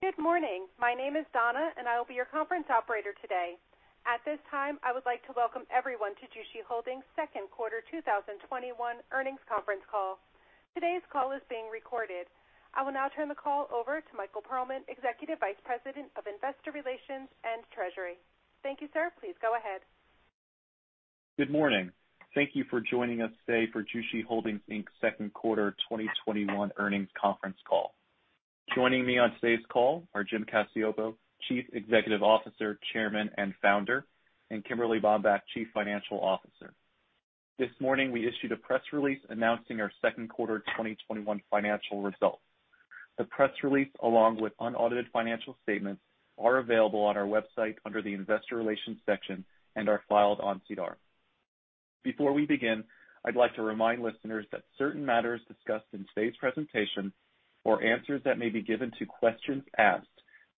Good morning. My name is Donna. I will be your conference operator today. At this time, I would like to welcome everyone to Jushi Holdings' second quarter 2021 earnings conference call. Today's call is being recorded. I will now turn the call over to Michael Perlman, Executive Vice President of Investor Relations and Treasury. Thank you, sir. Please go ahead. Good morning. Thank you for joining us today for Jushi Holdings Inc.'s second quarter 2021 earnings conference call. Joining me on today's call are Jim Cacioppo, Chief Executive Officer, Chairman, and Founder, and Kimberly Bambach, Chief Financial Officer. This morning, we issued a press release announcing our second quarter 2021 financial results. The press release, along with unaudited financial statements, are available on our website under the investor relations section and are filed on SEDAR. Before we begin, I'd like to remind listeners that certain matters discussed in today's presentation or answers that may be given to questions asked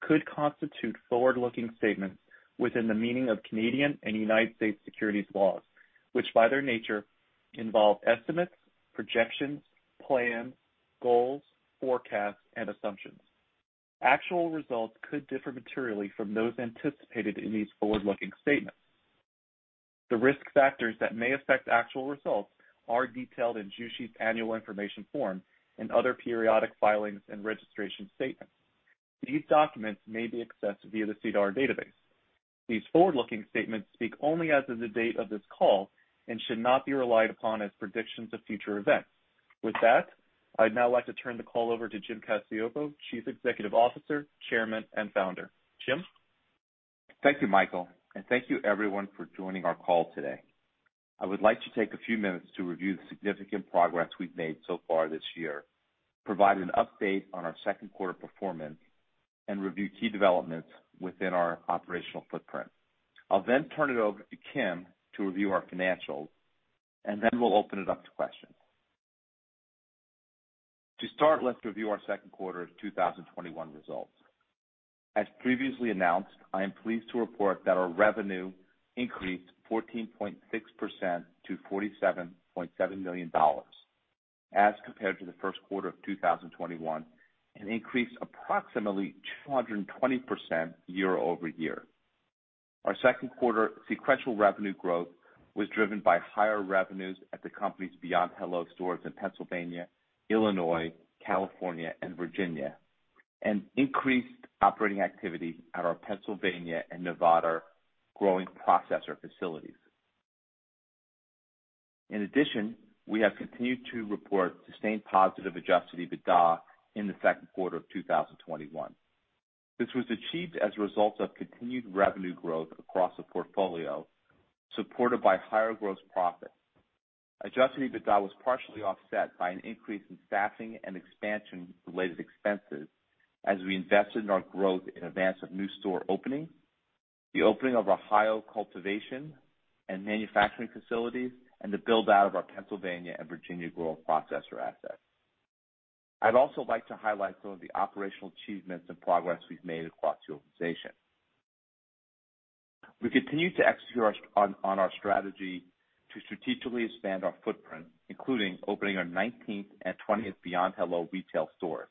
could constitute forward-looking statements within the meaning of Canadian and U.S. securities laws, which by their nature involve estimates, projections, plans, goals, forecasts, and assumptions. Actual results could differ materially from those anticipated in these forward-looking statements. The risk factors that may affect actual results are detailed in Jushi's annual information form and other periodic filings and registration statements. These documents may be accessed via the SEDAR database. These forward-looking statements speak only as of the date of this call and should not be relied upon as predictions of future events. With that, I'd now like to turn the call over to Jim Cacioppo, Chief Executive Officer, Chairman, and Founder. Jim? Thank you, Michael. Thank you everyone for joining our call today. I would like to take a few minutes to review the significant progress we've made so far this year, provide an update on our second quarter performance, and review key developments within our operational footprint. I'll then turn it over to Kim to review our financials. We'll open it up to questions. To start, let's review our second quarter 2021 results. As previously announced, I am pleased to report that our revenue increased 14.6% to $47.7 million as compared to the first quarter of 2021, an increase approximately 220% year-over-year. Our second quarter sequential revenue growth was driven by higher revenues at the company's Beyond Hello stores in Pennsylvania, Illinois, California, and Virginia. Increased operating activity at our Pennsylvania and Nevada growing processor facilities. We have continued to report sustained positive adjusted EBITDA in the second quarter of 2021. This was achieved as a result of continued revenue growth across the portfolio, supported by higher gross profit. Adjusted EBITDA was partially offset by an increase in staffing and expansion-related expenses as we invested in our growth in advance of new store openings, the opening of Ohio cultivation and manufacturing facilities, and the build-out of our Pennsylvania and Virginia grow processor assets. I'd also like to highlight some of the operational achievements and progress we've made across the organization. We continue to execute on our strategy to strategically expand our footprint, including opening our 19th and 20th Beyond Hello retail stores,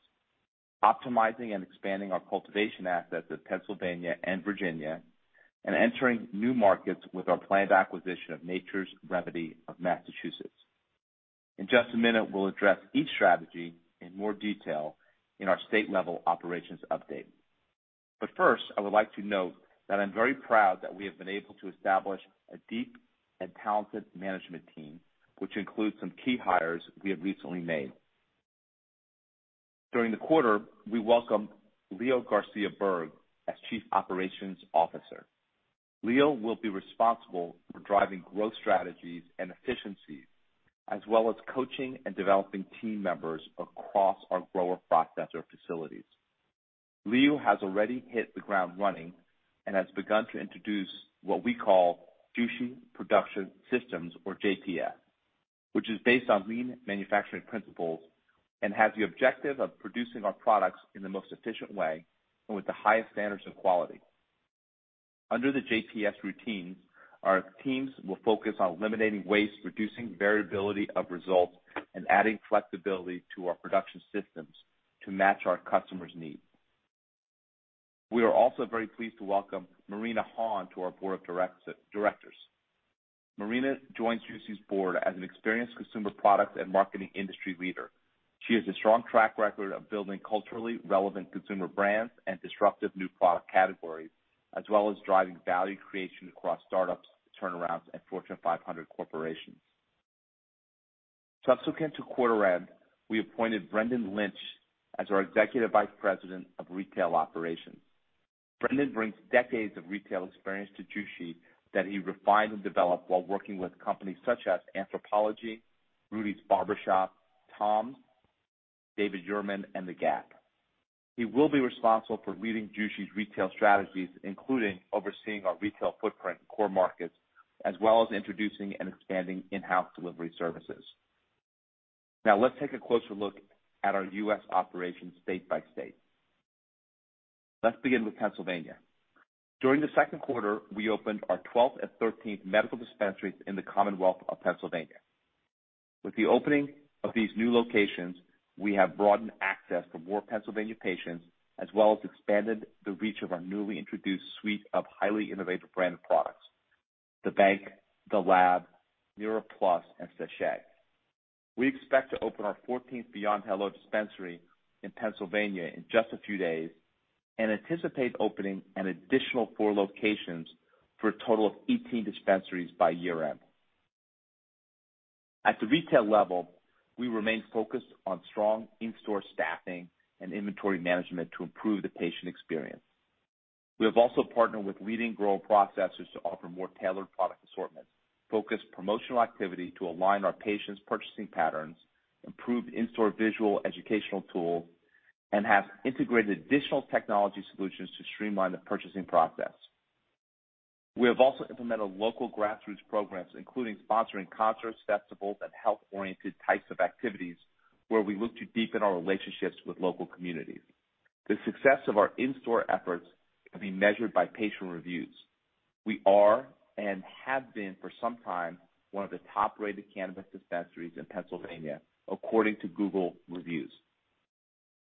optimizing and expanding our cultivation assets at Pennsylvania and Virginia, and entering new markets with our planned acquisition of Nature's Remedy of Massachusetts. In just a minute, we'll address each strategy in more detail in our state-level operations update. First, I would like to note that I'm very proud that we have been able to establish a deep and talented management team, which includes some key hires we have recently made. During the quarter, we welcomed Leo Garcia-Berg as Chief Operations Officer. Leo will be responsible for driving growth strategies and efficiencies, as well as coaching and developing team members across our grower processor facilities. Leo has already hit the ground running and has begun to introduce what we call Jushi Production Systems, or GPs, which is based on lean manufacturing principles and has the objective of producing our products in the most efficient way and with the highest standards of quality. Under the GPs routines, our teams will focus on eliminating waste, reducing variability of results, and adding flexibility to our production systems to match our customers' needs. We are also very pleased to welcome Marina Hahn to our board of directors. Marina joins Jushi's board as an experienced consumer products and marketing industry leader. She has a strong track record of building culturally relevant consumer brands and disruptive new product categories, as well as driving value creation across startups, turnarounds, and Fortune 500 corporations. Subsequent to quarter end, we appointed Brendon Lynch as our Executive Vice President of Retail Operations. Brendon brings decades of retail experience to Jushi that he refined and developed while working with companies such as Anthropologie, Rudy's Barbershop, TOMS, David Yurman, and The Gap. He will be responsible for leading Jushi's retail strategies, including overseeing our retail footprint in core markets, as well as introducing and expanding in-house delivery services. Let's take a closer look at our U.S. operations state by state. Let's begin with Pennsylvania. During the second quarter, we opened our 12th and 13th medical dispensaries in the Commonwealth of Pennsylvania. With the opening of these new locations, we have broadened access for more Pennsylvania patients, as well as expanded the reach of our newly introduced suite of highly innovative branded products, The Bank, The Lab, Nira + Medicinals, and Sèche. We expect to open our 14th Beyond Hello dispensary in Pennsylvania in just a few days and anticipate opening an additional four locations for a total of 18 dispensaries by year-end. At the retail level, we remain focused on strong in-store staffing and inventory management to improve the patient experience. We have also partnered with leading grow processors to offer more tailored product assortments, focused promotional activity to align our patients' purchasing patterns, improved in-store visual educational tool, and have integrated additional technology solutions to streamline the purchasing process. We have also implemented local grassroots programs, including sponsoring concerts, festivals, and health-oriented types of activities where we look to deepen our relationships with local communities. The success of our in-store efforts can be measured by patient reviews. We are, and have been for some time, one of the top-rated cannabis dispensaries in Pennsylvania, according to Google Reviews.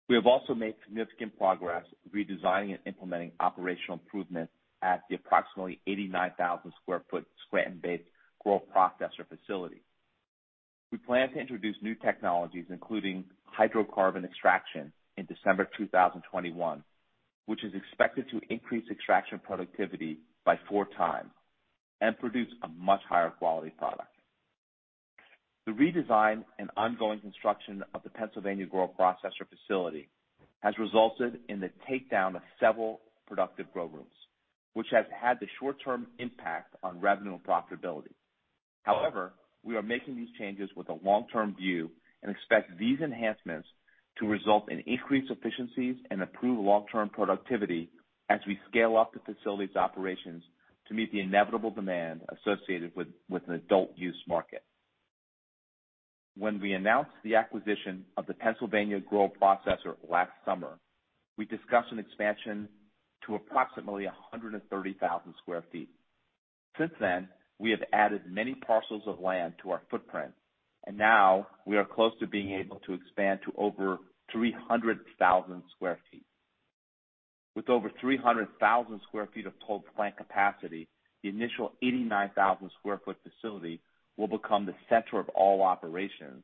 We have also made significant progress redesigning and implementing operational improvements at the approximately 89,000 sq ft Scranton-based grow processor facility. We plan to introduce new technologies, including hydrocarbon extraction in December 2021, which is expected to increase extraction productivity by 4x and produce a much higher quality product. The redesign and ongoing construction of the Pennsylvania grow processor facility has resulted in the takedown of several productive grow rooms, which has had the short-term impact on revenue and profitability. However, we are making these changes with a long-term view and expect these enhancements to result in increased efficiencies and improved long-term productivity as we scale up the facility's operations to meet the inevitable demand associated with an adult use market. When we announced the acquisition of the Pennsylvania grow processor last summer, we discussed an expansion to approximately 130,000 sq ft. Since then, we have added many parcels of land to our footprint, and now we are close to being able to expand to over 300,000 sq ft. With over 300,000 sq ft of total plant capacity, the initial 89,000 sq ft facility will become the center of all operations,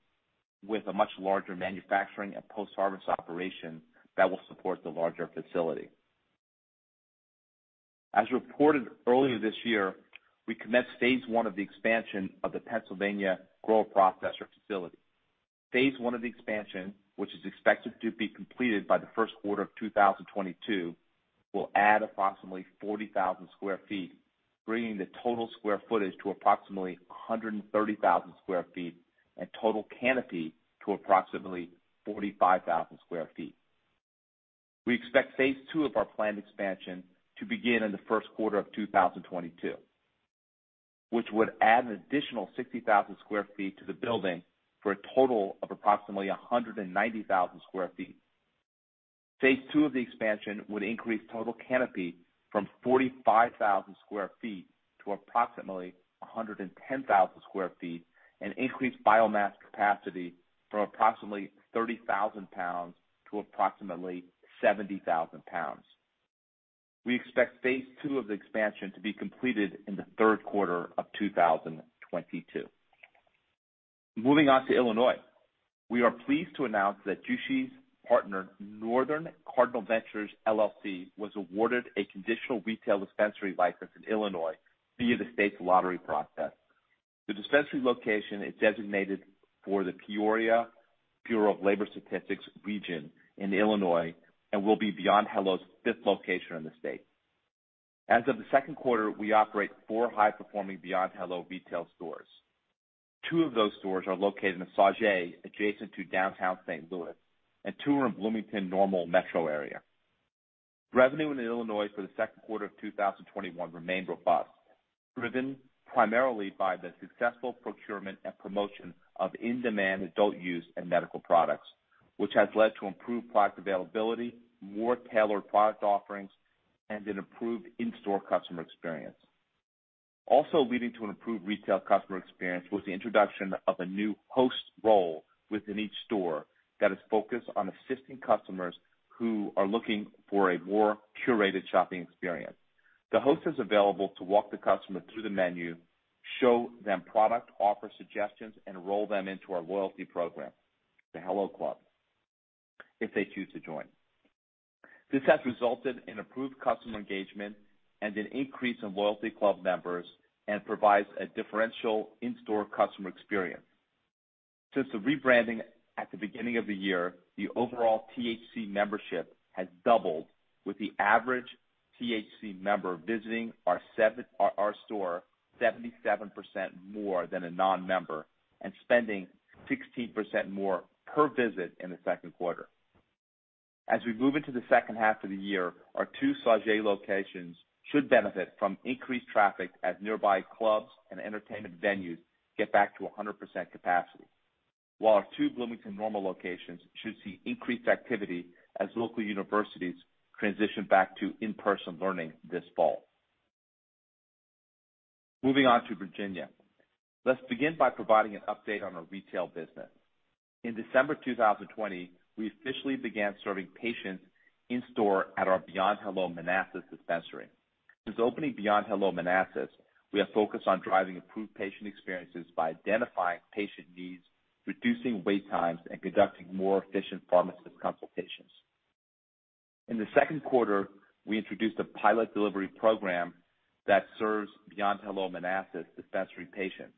with a much larger manufacturing and post-harvest operation that will support the larger facility. As reported earlier this year, we commenced phase one of the expansion of the Pennsylvania grow processor facility. Phase one of the expansion, which is expected to be completed by the first quarter of 2022, will add approximately 40,000 sq ft, bringing the total square footage to approximately 130,000 sq ft and total canopy to approximately 45,000 sq ft. We expect phase two of our planned expansion to begin in the first quarter of 2022, which would add an additional 60,000 sq ft to the building for a total of approximately 190,000 sq ft. Phase two of the expansion would increase total canopy from 45,000 sq ft to approximately 110,000 sq ft and increase biomass capacity from approximately 30,000 lbs to approximately 70,000 lbs. We expect Phase two of the expansion to be completed in the third quarter of 2022. Moving on to Illinois. We are pleased to announce that Jushi's partner, Northern Cardinal Ventures, LLC, was awarded a conditional retail dispensary license in Illinois via the state's lottery process. The dispensary location is designated for the Peoria Bureau of Labor Statistics region in Illinois and will be Beyond Hello's fifth location in the state. As of the second quarter, we operate four high-performing Beyond/Hello retail stores. Two of those stores are located in Sauget, adjacent to downtown St. Louis, and two are in Bloomington-Normal metro area. Revenue in Illinois for the second quarter of 2021 remained robust, driven primarily by the successful procurement and promotion of in-demand adult use and medical products, which has led to improved product availability, more tailored product offerings, and an improved in-store customer experience. Also leading to an improved retail customer experience was the introduction of a new host role within each store that is focused on assisting customers who are looking for a more curated shopping experience. The host is available to walk the customer through the menu, show them product, offer suggestions, and enroll them into our loyalty program, The Hello Club, if they choose to join. This has resulted in improved customer engagement and an increase in loyalty club members and provides a differential in-store customer experience. Since the rebranding at the beginning of the year, the overall THC membership has doubled, with the average THC member visiting our store 77% more than a non-member and spending 16% more per visit in the second quarter. While our two Sauget locations should benefit from increased traffic as nearby clubs and entertainment venues get back to 100% capacity. While our two Bloomington Normal locations should see increased activity as local universities transition back to in-person learning this fall. Moving on to Virginia. Let's begin by providing an update on our retail business. In December 2020, we officially began serving patients in-store at our Beyond/Hello Manassas dispensary. Since opening Beyond/Hello Manassas, we have focused on driving improved patient experiences by identifying patient needs, reducing wait times, and conducting more efficient pharmacist consultations. In the second quarter, we introduced a pilot delivery program that serves Beyond/Hello Manassas dispensary patients.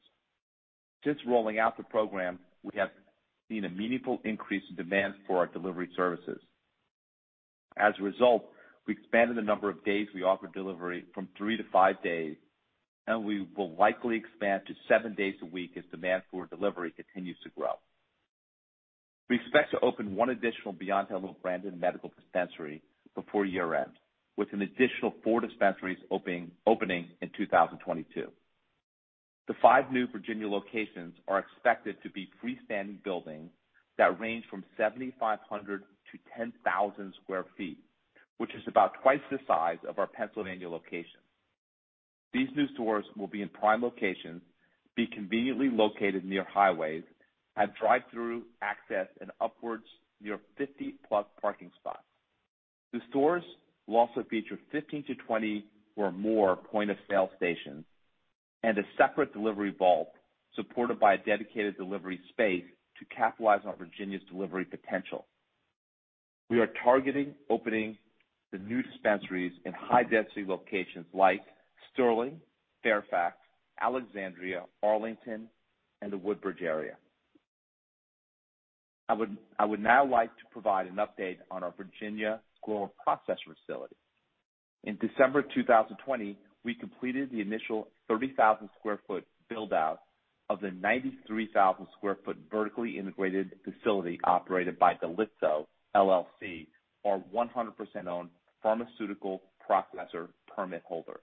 Since rolling out the program, we have seen a meaningful increase in demand for our delivery services. As a result, we expanded the number of days we offer delivery from three to five days, and we will likely expand to seven days a week as demand for delivery continues to grow. We expect to open one additional Beyond/Hello-branded medical dispensary before year-end, with an additional four dispensaries opening in 2022. The five new Virginia locations are expected to be freestanding buildings that range from 7,500 to 10,000 sq ft, which is about twice the size of our Pennsylvania locations. These new stores will be in prime locations, be conveniently located near highways, have drive-through access, and upwards near 50+ parking spots. The stores will also feature 15-20 or more point-of-sale stations and a separate delivery vault, supported by a dedicated delivery space to capitalize on Virginia's delivery potential. We are targeting opening the new dispensaries in high-density locations like Sterling, Fairfax, Alexandria, Arlington, and the Woodbridge area. I would now like to provide an update on our Virginia grower processor facility. In December 2020, we completed the initial 30,000 sq ft build-out of the 93,000 sq ft vertically integrated facility operated by Dalitso LLC, our 100% owned pharmaceutical processor permit holder.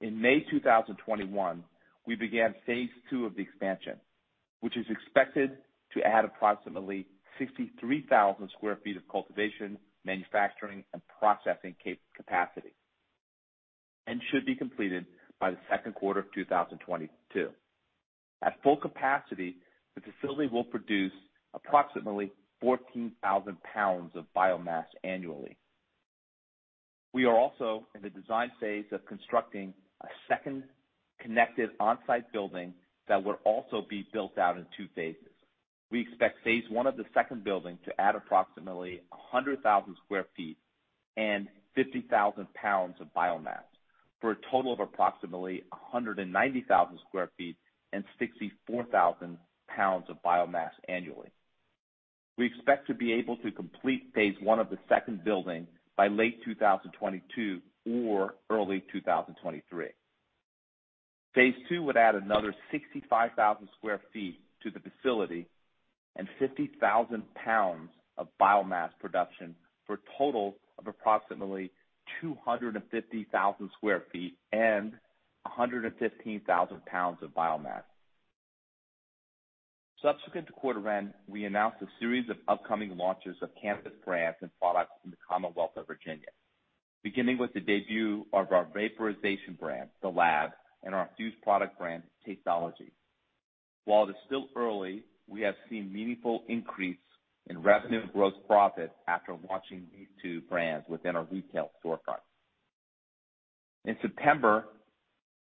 In May 2021, we began phase two of the expansion, which is expected to add approximately 63,000 sq ft of cultivation, manufacturing, and processing capacity and should be completed by the second quarter of 2022. At full capacity, the facility will produce approximately 14,000 lbs of biomass annually. We are also in the design phase of constructing a second connected on-site building that will also be built out in two phases. We expect phase one of the second building to add approximately 100,000 sq ft and 50,000 lbs of biomass, for a total of approximately 190,000 sq ft and 64,000 lbs of biomass annually. We expect to be able to complete phase one of the second building by late 2022 or early 2023. Phase two would add another 65,000 sq ft to the facility and 50,000 lbs of biomass production, for a total of approximately 250,000 sq ft and 115,000 lbs of biomass. Subsequent to quarter end, we announced a series of upcoming launches of cannabis brands and products in the Commonwealth of Virginia, beginning with the debut of our vaporization brand, The Lab, and our infused product brand, Tasteology. While it is still early, we have seen meaningful increase in revenue and gross profit after launching these two brands within our retail storefront. In September,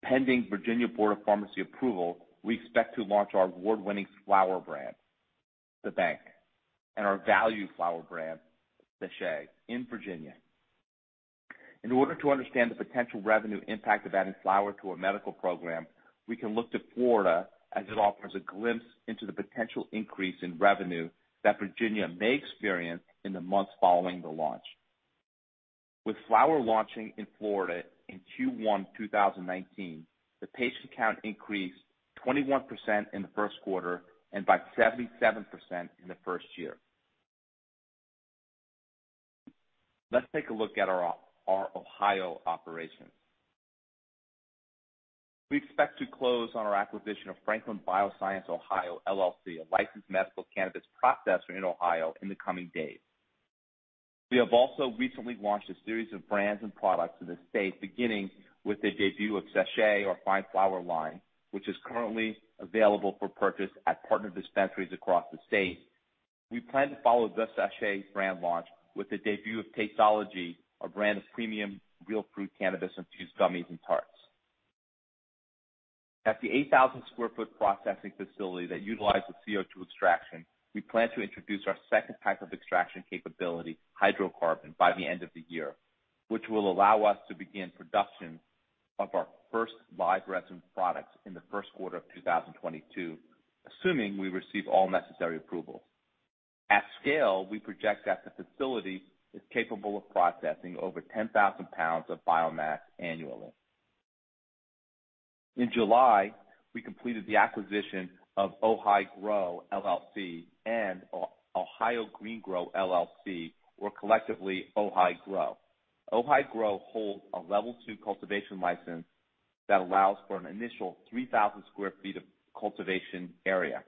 pending Virginia Board of Pharmacy approval, we expect to launch our award-winning flower brand, The Bank, and our value flower brand, Sèche, in Virginia. In order to understand the potential revenue impact of adding flower to our medical program, we can look to Florida as it offers a glimpse into the potential increase in revenue that Virginia may experience in the months following the launch. With flower launching in Florida in Q1 2019, the patient count increased 21% in the first quarter and by 77% in the first year. Let's take a look at our Ohio operations. We expect to close on our acquisition of Franklin Bioscience OH, LLC, a licensed medical cannabis processor in Ohio, in the coming days. We have also recently launched a series of brands and products in the state, beginning with the debut of Sèche, our fine flower line, which is currently available for purchase at partner dispensaries across the state. We plan to follow the Sèche brand launch with the debut of Tasteology, a brand of premium real fruit cannabis-infused gummies and tarts. At the 8,000 sq ft processing facility that utilizes CO2 extraction, we plan to introduce our second type of extraction capability, hydrocarbon, by the end of the year, which will allow us to begin production of our first live resin products in the first quarter of 2022, assuming we receive all necessary approvals. At scale, we project that the facility is capable of processing over 10,000 lbs of biomass annually. In July, we completed the acquisition of OhiGro, LLC and Ohio Green Grow LLC, or collectively OhioGro. OhiGrow holds a level two cultivation license. That allows for an initial 3,000 sq ft of cultivation area.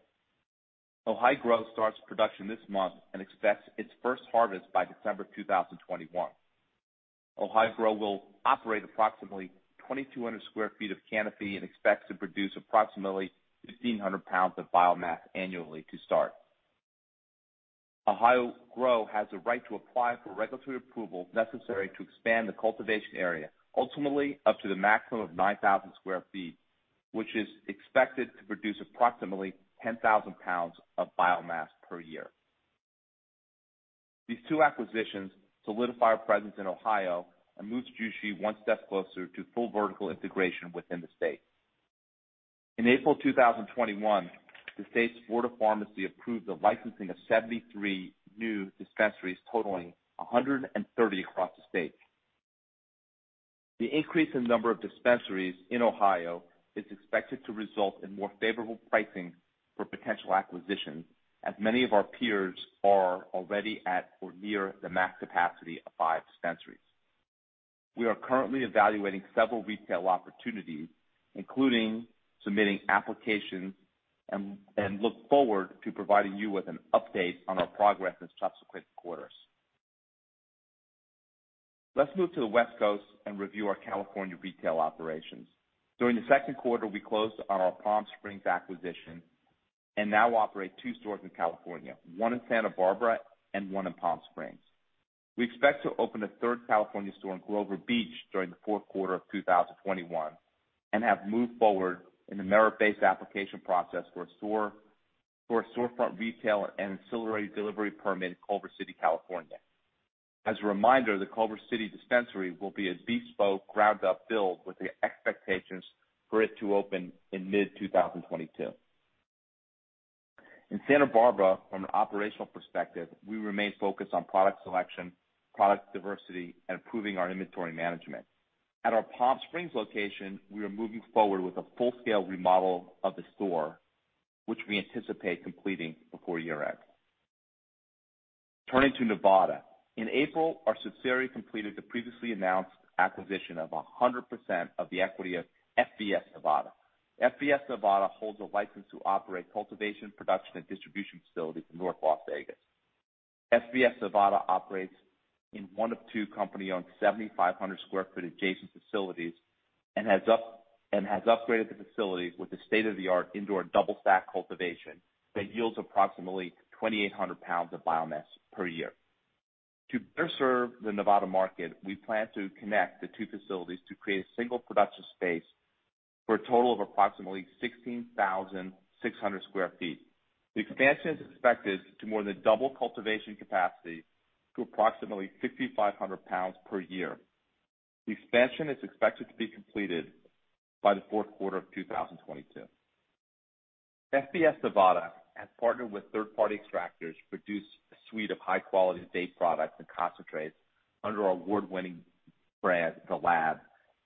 OhiGrow starts production this month and expects its first harvest by December 2021. OhiGrow will operate approximately 2,200 sq ft of canopy and expects to produce approximately 1,500 lbs of biomass annually to start. OhiGrow has the right to apply for regulatory approval necessary to expand the cultivation area, ultimately up to the maximum of 9,000 sq ft, which is expected to produce approximately 10,000 lbs of biomass per year. These two acquisitions solidify our presence in Ohio and moves Jushi one step closer to full vertical integration within the state. In April 2021, the state's Ohio Board of Pharmacy approved the licensing of 73 new dispensaries, totaling 130 across the state. The increase in number of dispensaries in Ohio is expected to result in more favorable pricing for potential acquisitions, as many of our peers are already at or near the max capacity of five dispensaries. We are currently evaluating several retail opportunities, including submitting applications, and look forward to providing you with an update on our progress in subsequent quarters. Let's move to the West Coast and review our California retail operations. During the second quarter, we closed on our Palm Springs acquisition and now operate two stores in California, one in Santa Barbara and one in Palm Springs. We expect to open a third California store in Grover Beach during the fourth quarter of 2021 and have moved forward in the merit-based application process for a storefront retail and ancillary delivery permit in Culver City, California. As a reminder, the Culver City dispensary will be a bespoke ground-up build with the expectations for it to open in mid-2022. In Santa Barbara, from an operational perspective, we remain focused on product selection, product diversity, and improving our inventory management. At our Palm Springs location, we are moving forward with a full-scale remodel of the store, which we anticipate completing before year-end. Turning to Nevada. In April, our subsidiary completed the previously announced acquisition of 100% of the equity of FBS Nevada. FBS Nevada holds a license to operate cultivation, production, and distribution facilities in North Las Vegas. FVS Nevada operates in one of two company-owned 7,500 sq ft adjacent facilities and has upgraded the facilities with a state-of-the-art indoor double stack cultivation that yields approximately 2,800 lbs of biomass per year. To better serve the Nevada market, we plan to connect the two facilities to create a single production space for a total of approximately 16,600 sq ft. The expansion is expected to more than double cultivation capacity to approximately 5,500 lbs per year. The expansion is expected to be completed by the fourth quarter of 2022. Franklin Bioscience NV, LLC has partnered with third-party extractors to produce a suite of high-quality vape products and concentrates under our award-winning brand, The Lab,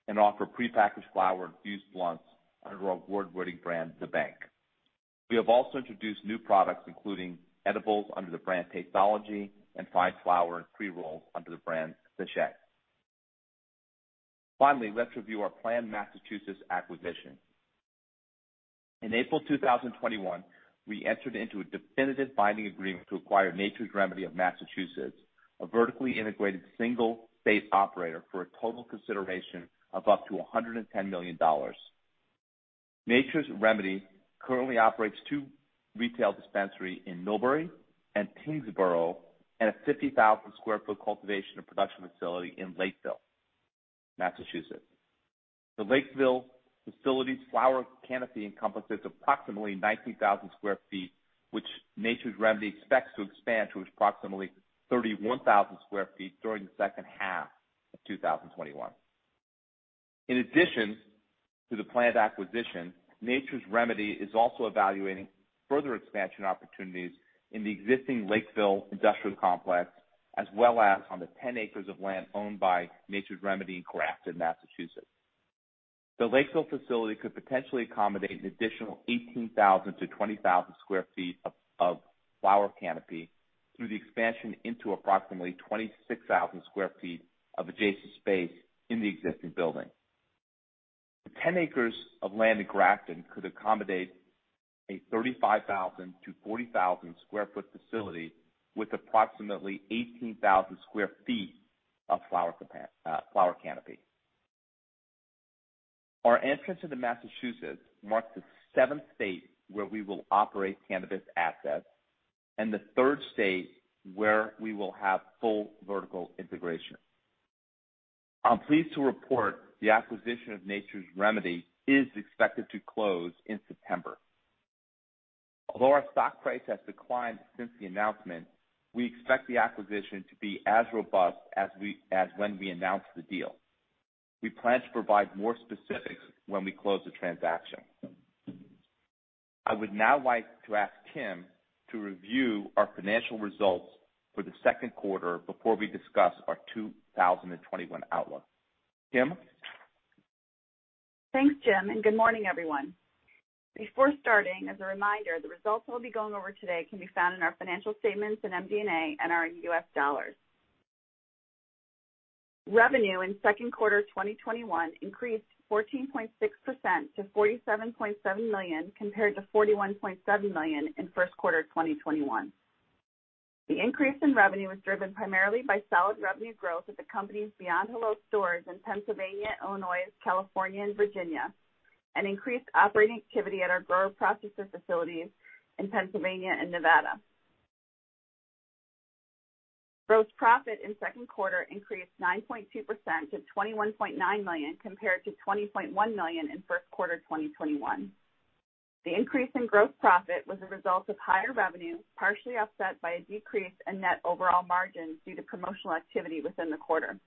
and offer prepackaged flower infused blunts under our award-winning brand, The Bank. We have also introduced new products, including edibles under the brand Tasteology, and fine flower and pre-rolls under the brand Sèche. Finally, let's review our planned Massachusetts acquisition. In April 2021, we entered into a definitive binding agreement to acquire Nature's Remedy of Massachusetts, a vertically integrated single state operator, for a total consideration of up to $110 million. Nature's Remedy currently operates two retail dispensaries in Millbury and Tyngsborough and a 50,000 sq ft cultivation and production facility in Lakeville, Massachusetts. The Lakeville facility's flower canopy encompasses approximately 19,000 sq ft, which Nature's Remedy expects to expand to approximately 31,000 sq ft during the second half of 2021. In addition to the planned acquisition, Nature's Remedy is also evaluating further expansion opportunities in the existing Lakeville Industrial Complex as well as on the 10 acres of land owned by Nature's Remedy in Grafton, Massachusetts. The Lakeville facility could potentially accommodate an additional 18,000 sq ft-20,000 sq ft of flower canopy through the expansion into approximately 26,000 sq ft of adjacent space in the existing building. The 10 acres of land in Grafton could accommodate a 35,000 sq ft-40,000 sq ft facility with approximately 18,000 sq ft of flower canopy. Our entrance into Massachusetts marks the 7th state where we will operate cannabis assets and the third state where we will have full vertical integration. I'm pleased to report the acquisition of Nature's Remedy is expected to close in September. Although our stock price has declined since the announcement, we expect the acquisition to be as robust as when we announced the deal. We plan to provide more specifics when we close the transaction. I would now like to ask Kim to review our financial results for the second quarter before we discuss our 2021 outlook. Kim? Thanks, Jim. Good morning, everyone. Before starting, as a reminder, the results we'll be going over today can be found in our financial statements in MD&A and are in U.S. dollars. Revenue in second quarter 2021 increased 14.6% to $47.7 million compared to $41.7 million in first quarter 2021. The increase in revenue was driven primarily by solid revenue growth at the company's Beyond Hello stores in Pennsylvania, Illinois, California, and Virginia, and increased operating activity at our grower/processor facilities in Pennsylvania and Nevada. Gross profit in second quarter increased 9.2% to $21.9 million compared to $20.1 million in first quarter 2021. The increase in gross profit was a result of higher revenue, partially offset by a decrease in net overall margin due to promotional activity within the quarter.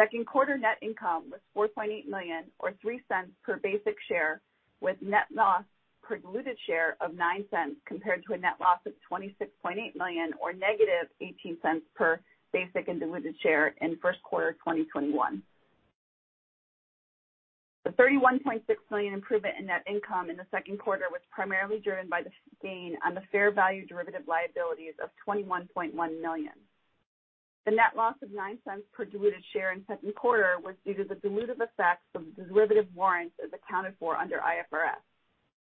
Second quarter net income was $4.8 million, or $0.03 per basic share, with net loss per diluted share of $0.09, compared to a net loss of $26.8 million, or negative $0.18 per basic and diluted share in first quarter 2021. The $31.6 million improvement in net income in the second quarter was primarily driven by the gain on the fair value derivative liabilities of $21.1 million. The net loss of $0.09 per diluted share in second quarter was due to the dilutive effects of the derivative warrants as accounted for under IFRS.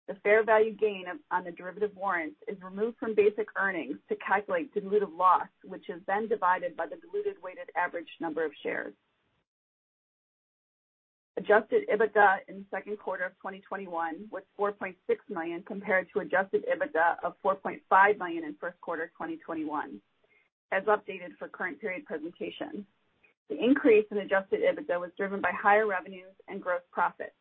The fair value gain on the derivative warrants is removed from basic earnings to calculate dilutive loss, which is then divided by the diluted weighted average number of shares. Adjusted EBITDA in the second quarter of 2021 was $4.6 million compared to adjusted EBITDA of $4.5 million in first quarter 2021, as updated for current period presentation. The increase in adjusted EBITDA was driven by higher revenues and gross profit.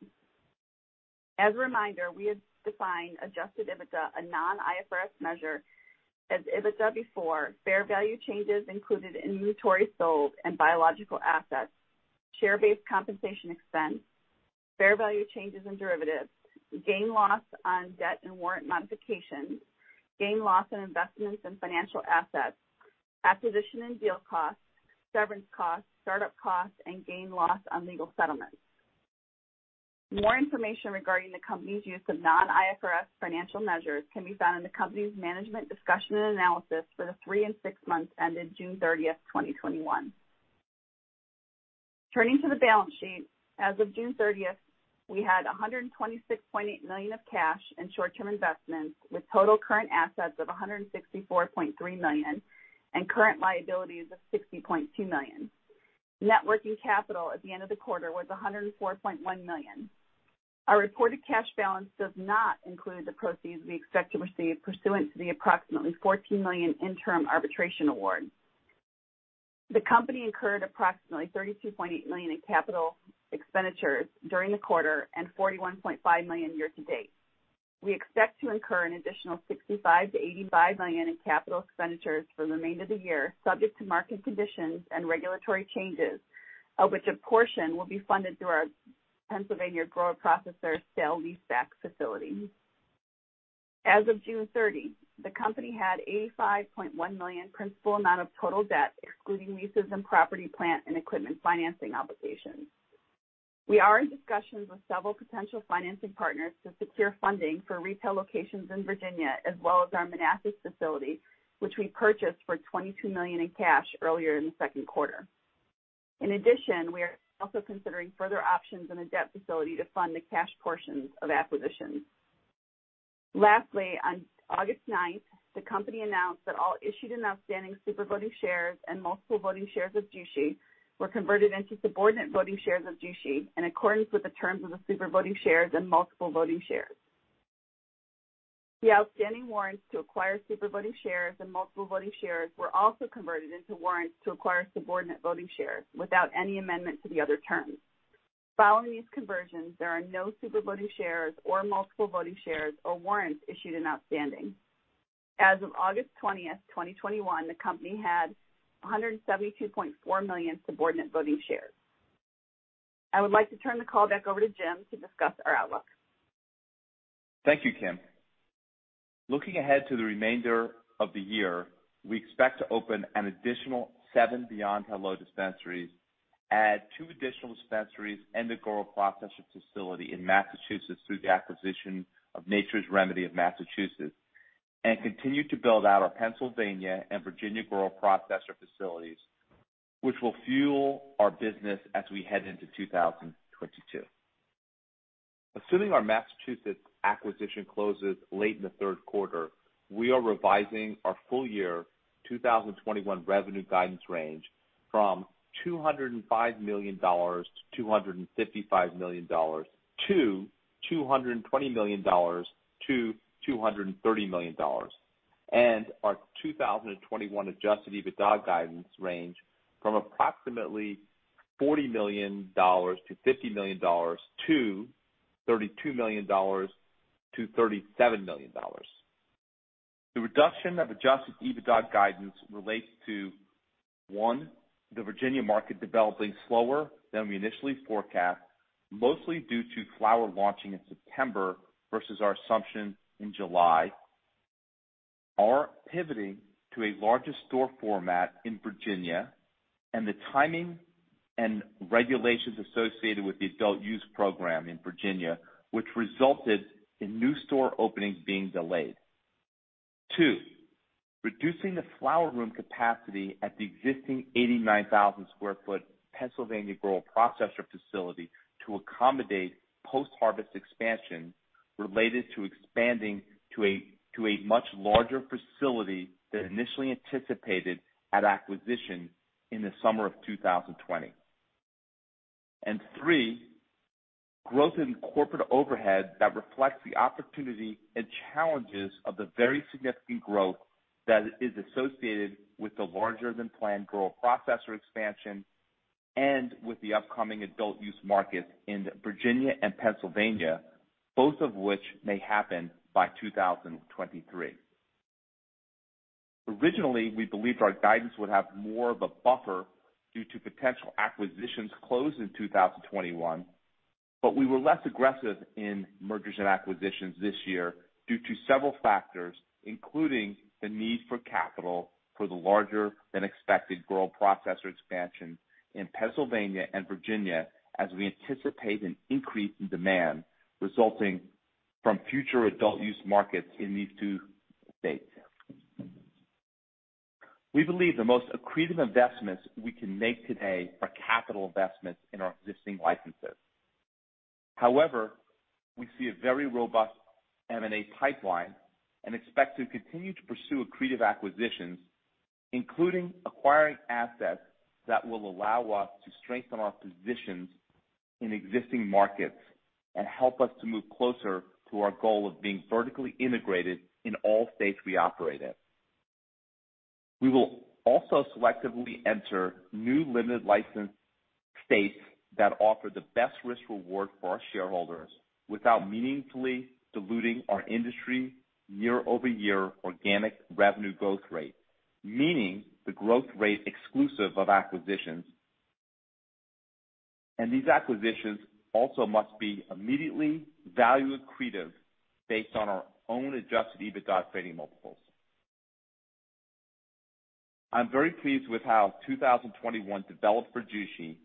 As a reminder, we have defined adjusted EBITDA, a non-IFRS measure, as EBITDA before fair value changes included in inventory sold and biological assets, share-based compensation expense, fair value changes in derivatives, gain/loss on debt and warrant modifications, gain/loss on investments in financial assets, acquisition and deal costs, severance costs, start-up costs, and gain/loss on legal settlements. More information regarding the company's use of non-IFRS financial measures can be found in the company's Management Discussion and Analysis for the three and six months ended June 30th, 2021. Turning to the balance sheet, as of June 30th, we had $126.8 million of cash and short-term investments, with total current assets of $164.3 million and current liabilities of $60.2 million. Net working capital at the end of the quarter was $104.1 million. Our reported cash balance does not include the proceeds we expect to receive pursuant to the approximately $14 million interim arbitration award. The company incurred approximately $32.8 million in capital expenditures during the quarter and $41.5 million year to date. We expect to incur an additional $65 million-$85 million in capital expenditures for the remainder of the year, subject to market conditions and regulatory changes, of which a portion will be funded through our Pennsylvania grower/processor sale leaseback facility. As of June 30, the company had $85.1 million principal amount of total debt, excluding leases and property, plant, and equipment financing obligations. We are in discussions with several potential financing partners to secure funding for retail locations in Virginia, as well as our Manassas facility, which we purchased for $22 million in cash earlier in the second quarter. In addition, we are also considering further options on a debt facility to fund the cash portions of acquisitions. Lastly, on August 9th, the company announced that all issued and outstanding super voting shares and multiple voting shares of Jushi were converted into subordinate voting shares of Jushi in accordance with the terms of the super voting shares and multiple voting shares. The outstanding warrants to acquire super voting shares and multiple voting shares were also converted into warrants to acquire subordinate voting shares without any amendment to the other terms. Following these conversions, there are no super voting shares or multiple voting shares or warrants issued and outstanding. As of August 20th, 2021, the company had 172.4 million subordinate voting shares. I would like to turn the call back over to Jim to discuss our outlook. Thank you, Kim. Looking ahead to the remainder of the year, we expect to open an additional seven Beyond Hello dispensaries, add two additional dispensaries and a grower/processor facility in Massachusetts through the acquisition of Nature's Remedy of Massachusetts, and continue to build out our Pennsylvania and Virginia grower/processor facilities, which will fuel our business as we head into 2022. Assuming our Massachusetts acquisition closes late in the third quarter, we are revising our full year 2021 revenue guidance range from $205 million-$255 million to $220 million-$230 million. Our 2021 adjusted EBITDA guidance range from approximately $40 million-$50 million to $32 million-$37 million. The reduction of adjusted EBITDA guidance relates to, 1, the Virginia market developing slower than we initially forecast, mostly due to flower launching in September versus our assumption in July. Our pivoting to a larger store format in Virginia, and the timing and regulations associated with the adult use program in Virginia, which resulted in new store openings being delayed. Two, reducing the flower room capacity at the existing 89,000 sq ft Pennsylvania grow processor facility to accommodate post-harvest expansion related to expanding to a much larger facility than initially anticipated at acquisition in the summer of 2020. three, growth in corporate overhead that reflects the opportunity and challenges of the very significant growth that is associated with the larger than planned grow processor expansion and with the upcoming adult use markets in Virginia and Pennsylvania, both of which may happen by 2023. Originally, we believed our guidance would have more of a buffer due to potential acquisitions closed in 2021, but we were less aggressive in mergers and acquisitions this year due to several factors, including the need for capital for the larger than expected grow processor expansion in Pennsylvania and Virginia, as we anticipate an increase in demand resulting from future adult use markets in these two states. We believe the most accretive investments we can make today are capital investments in our existing licenses. However, we see a very robust M&A pipeline and expect to continue to pursue accretive acquisitions, including acquiring assets that will allow us to strengthen our positions in existing markets and help us to move closer to our goal of being vertically integrated in all states we operate in. We will also selectively enter new limited license states that offer the best risk-reward for our shareholders without meaningfully diluting our industry year-over-year organic revenue growth rate, meaning the growth rate exclusive of acquisitions. These acquisitions also must be immediately value accretive based on our own adjusted EBITDA trading multiples. I'm very pleased with how 2021 developed for Jushi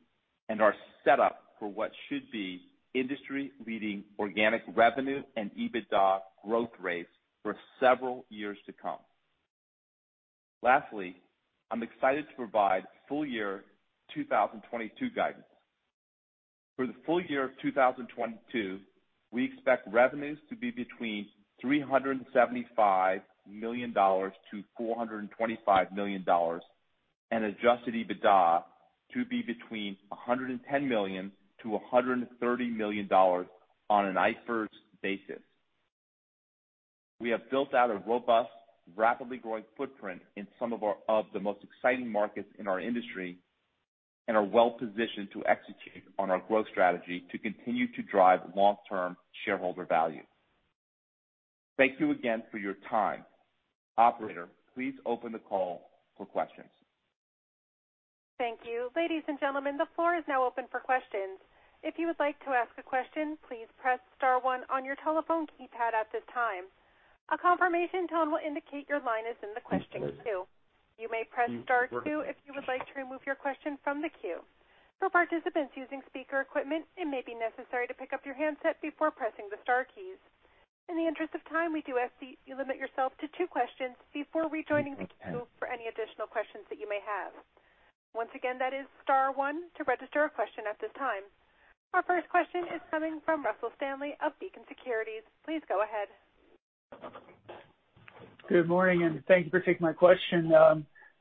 and are set up for what should be industry-leading organic revenue and EBITDA growth rates for several years to come. Lastly, I'm excited to provide full year 2022 guidance. For the full year of 2022, we expect revenues to be between $375 million-$425 million, and adjusted EBITDA to be between $110 million-$130 million on an IFRS basis. We have built out a robust, rapidly growing footprint in some of the most exciting markets in our industry and are well positioned to execute on our growth strategy to continue to drive long-term shareholder value. Thank you again for your time. Operator, please open the call for questions. Our first question is coming from Russell Stanley of Beacon Securities. Please go ahead. Good morning, and thank you for taking my question.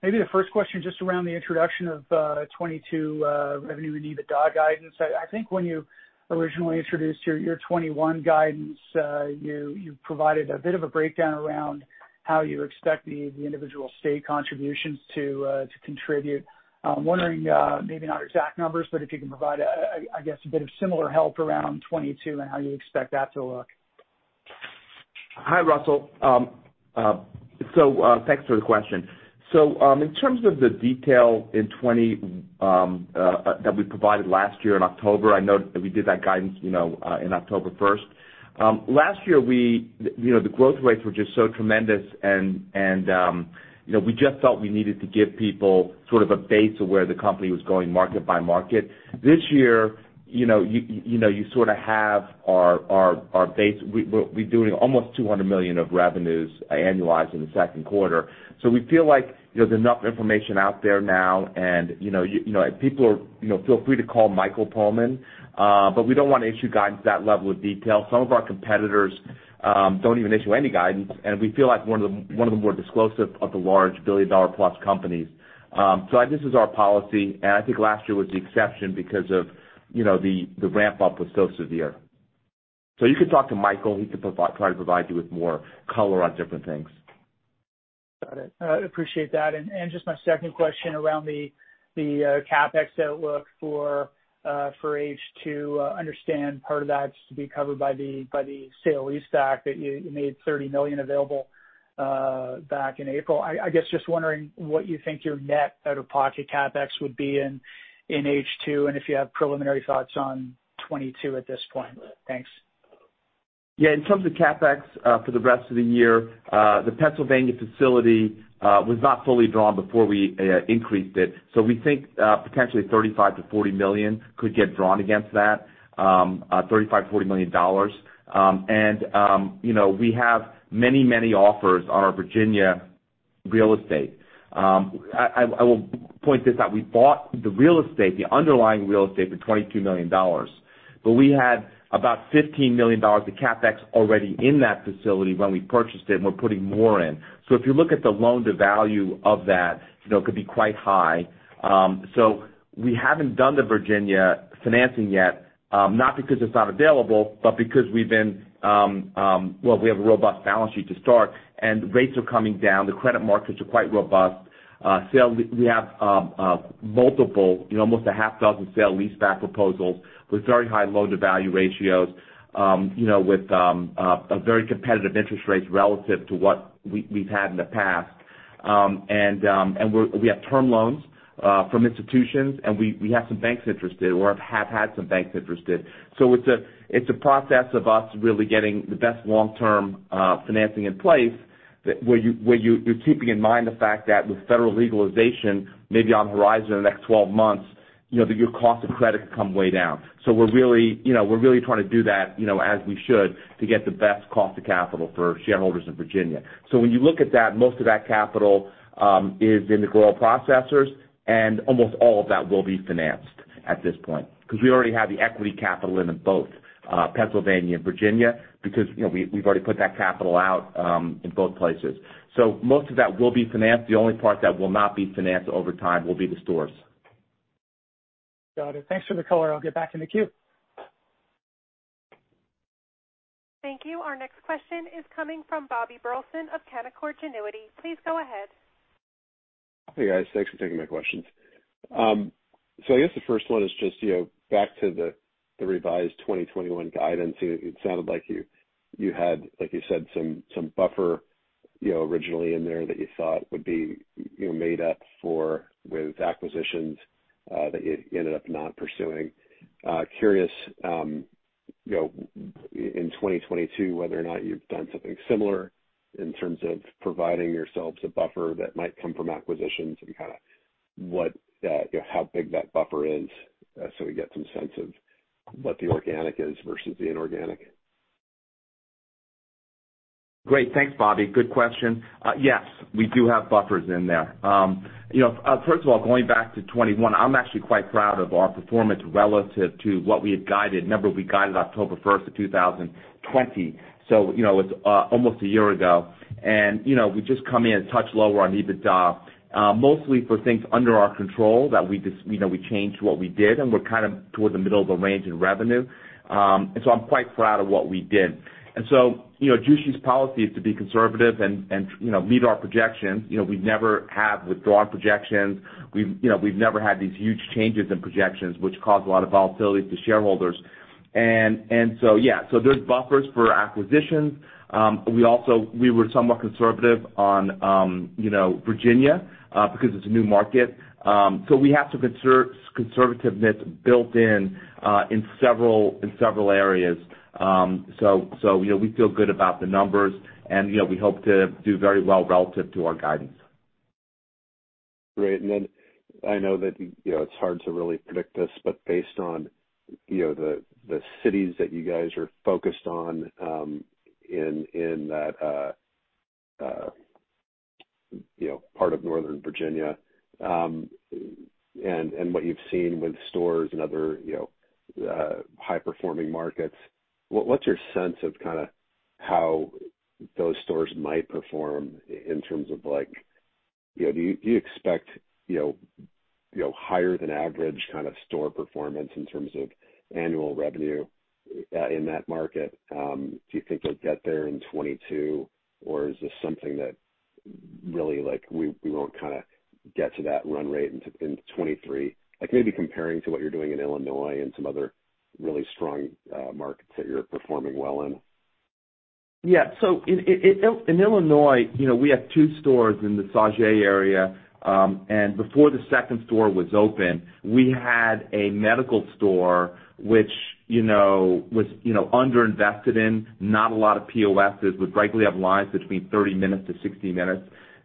Maybe the first question just around the introduction of 2022 revenue and EBITDA guidance. I think when you originally introduced your year 2021 guidance, you provided a bit of a breakdown around how you expect the individual state contributions to contribute. I'm wondering, maybe not exact numbers, but if you can provide, I guess a bit of similar help around 2022 and how you expect that to look. Hi, Russell. Thanks for the question. In terms of the detail in 2022 that we provided last year in October, I know that we did that guidance in October 1st. Last year, the growth rates were just so tremendous and we just felt we needed to give people sort of a base of where the company was going market by market. This year, you sort of have our base. We're doing almost $200 million of revenues annualized in the second quarter. We feel like there's enough information out there now and people feel free to call Michael Perlman. We don't want to issue guidance at that level of detail. Some of our competitors don't even issue any guidance, we feel like one of the more disclosive of the large billion-dollar-plus companies. This is our policy, and I think last year was the exception because of the ramp up was so severe. You could talk to Michael, he could try to provide you with more color on different things. Got it. I appreciate that. Just my second question around the CapEx outlook for H2. Understand part of that is to be covered by the sale leaseback that you made $30 million available back in April. I guess just wondering what you think your net out-of-pocket CapEx would be in H2 and if you have preliminary thoughts on 2022 at this point. Thanks. Yeah. In terms of CapEx for the rest of the year, the Pennsylvania facility was not fully drawn before we increased it. We think potentially $35 million-$40 million could get drawn against that. We have many offers on our Virginia real estate. I will point this out. We bought the real estate, the underlying real estate, for $22 million. We had about $15 million of CapEx already in that facility when we purchased it, and we're putting more in. If you look at the loan-to-value of that, it could be quite high. We haven't done the Virginia financing yet, not because it's not available, but because we have a robust balance sheet to start, and rates are coming down. The credit markets are quite robust. We have multiple, almost a half dozen sale leaseback proposals with very high loan-to-value ratios, with very competitive interest rates relative to what we've had in the past. We have term loans from institutions, and we have some banks interested, or have had some banks interested. It's a process of us really getting the best long-term financing in place, where you're keeping in mind the fact that with federal legalization maybe on the horizon in the next 12 months, your cost of credit could come way down. We're really trying to do that, as we should, to get the best cost of capital for shareholders in Virginia. When you look at that, most of that capital is in the grow processors, and almost all of that will be financed at this point, because we already have the equity capital in both Pennsylvania and Virginia, because we've already put that capital out in both places. Most of that will be financed. The only part that will not be financed over time will be the stores. Got it. Thanks for the color. I'll get back in the queue. Thank you. Our next question is coming from Bobby Burleson of Canaccord Genuity. Please go ahead. Hey, guys. Thanks for taking my questions. I guess the first one is just back to the revised 2021 guidance. It sounded like you had, like you said, some buffer originally in there that you thought would be made up for with acquisitions that you ended up not pursuing. Curious, in 2022, whether or not you've done something similar in terms of providing yourselves a buffer that might come from acquisitions and how big that buffer is so we get some sense of what the organic is versus the inorganic. Great. Thanks, Bobby. Good question. Yes, we do have buffers in there. First of all, going back to 2021, I'm actually quite proud of our performance relative to what we had guided. Remember, we guided October 1st, 2020, so it's almost 1 year ago. We've just come in a touch lower on EBITDA, mostly for things under our control that we changed what we did, and we're kind of toward the middle of the range in revenue. I'm quite proud of what we did. Jushi's policy is to be conservative and meet our projections. We never have withdrawn projections. We've never had these huge changes in projections which cause a lot of volatility to shareholders. Yeah, so there's buffers for acquisitions. We were somewhat conservative on Virginia because it's a new market. We have some conservativeness built in several areas. We feel good about the numbers, and we hope to do very well relative to our guidance. Great. I know that it's hard to really predict this, but based on the cities that you guys are focused on in that part of Northern Virginia, and what you've seen with stores and other high-performing markets, what's your sense of how those stores might perform in terms of, do you expect higher than average store performance in terms of annual revenue in that market? Do you think you'll get there in 2022, or is this something that really we won't get to that run rate until 2023? Maybe comparing to what you're doing in Illinois and some other really strong markets that you're performing well in. In Illinois, we have two stores in the Sauget area. Before the second store was open, we had a medical store which was underinvested in, not a lot of POSs, would regularly have lines between 30 minutes-60 minutes.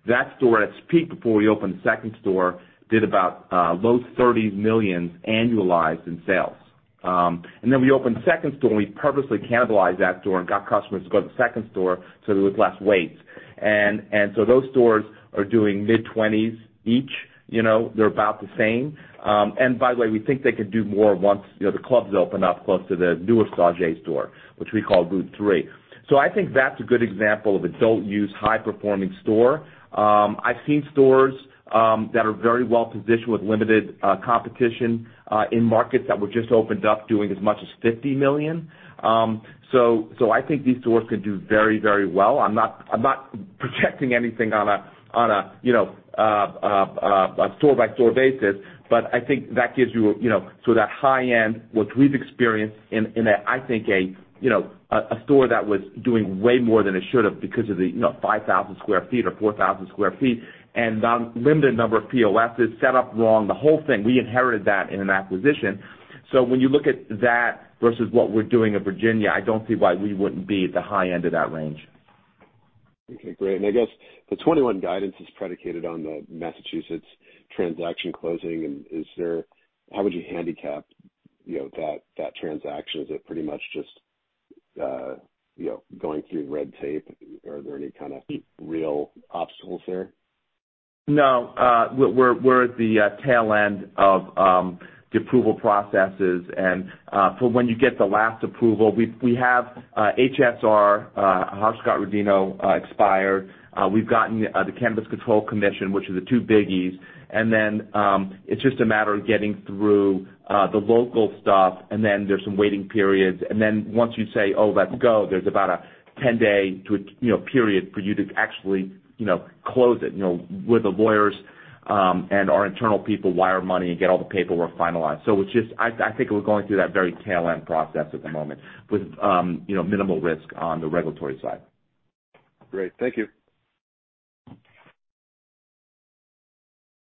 That store, at its peak, before we opened the second store, did about low $30 millions annualized in sales. Then we opened the second store, we purposely cannibalized that store and got customers to go to the second store so there was less waits. Those stores are doing mid-20millions each. They're about the same. By the way, we think they could do more once the clubs open up close to the newer Sauget store, which we call Route three. I think that's a good example of a adult-use, high-performing store. I've seen stores that are very well-positioned with limited competition in markets that were just opened up doing as much as $50 million. I think these stores could do very, very well. I'm not projecting anything on a store-by-store basis, but I think that gives you sort of that high end, what we've experienced in a, I think, a store that was doing way more than it should have because of the 5,000 sq ft or 4,000 sq ft and limited number of POSs, set up wrong, the whole thing. We inherited that in an acquisition. When you look at that versus what we're doing in Virginia, I don't see why we wouldn't be at the high end of that range. Okay, great. I guess the 2021 guidance is predicated on the Massachusetts transaction closing. How would you handicap that transaction? Is it pretty much just going through red tape, are there any kind of real obstacles there? No. We're at the tail end of the approval processes, and for when you get the last approval, we have HSR, Hart-Scott-Rodino, expired. We've gotten the Cannabis Control Commission, which are the two biggies. It's just a matter of getting through the local stuff, and then there's some waiting periods. Once you say, "Oh, let's go," there's about a 10-day period for you to actually close it with the lawyers and our internal people, wire money, and get all the paperwork finalized. I think we're going through that very tail end process at the moment with minimal risk on the regulatory side. Great. Thank you.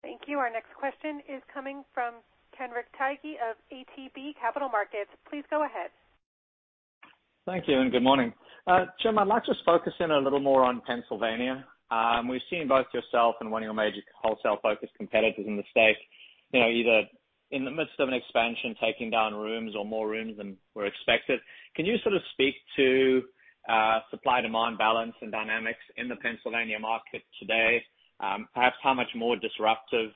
Thank you. Our next question is coming from Kenric Tyghe of ATB Capital Markets. Please go ahead. Thank you, and good morning. Jim, I'd like to focus in a little more on Pennsylvania. We've seen both yourself and one of your major wholesale-focused competitors in the state, either in the midst of an expansion, taking down rooms or more rooms than were expected. Can you sort of speak to supply, demand, balance, and dynamics in the Pennsylvania market today? Perhaps how much more disruptive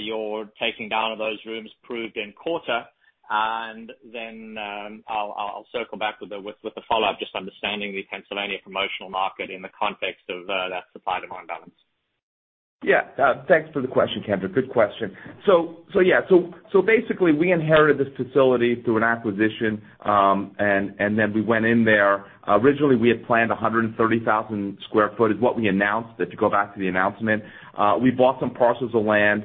your taking down of those rooms proved in quarter, and then I'll circle back with a follow-up, just understanding the Pennsylvania promotional market in the context of that supply, demand balance. Yeah. Thanks for the question, Ken. Good question. Basically, we inherited this facility through an acquisition, and then we went in there. Originally, we had planned 130,000 sq ft is what we announced, if you go back to the announcement. We bought some parcels of land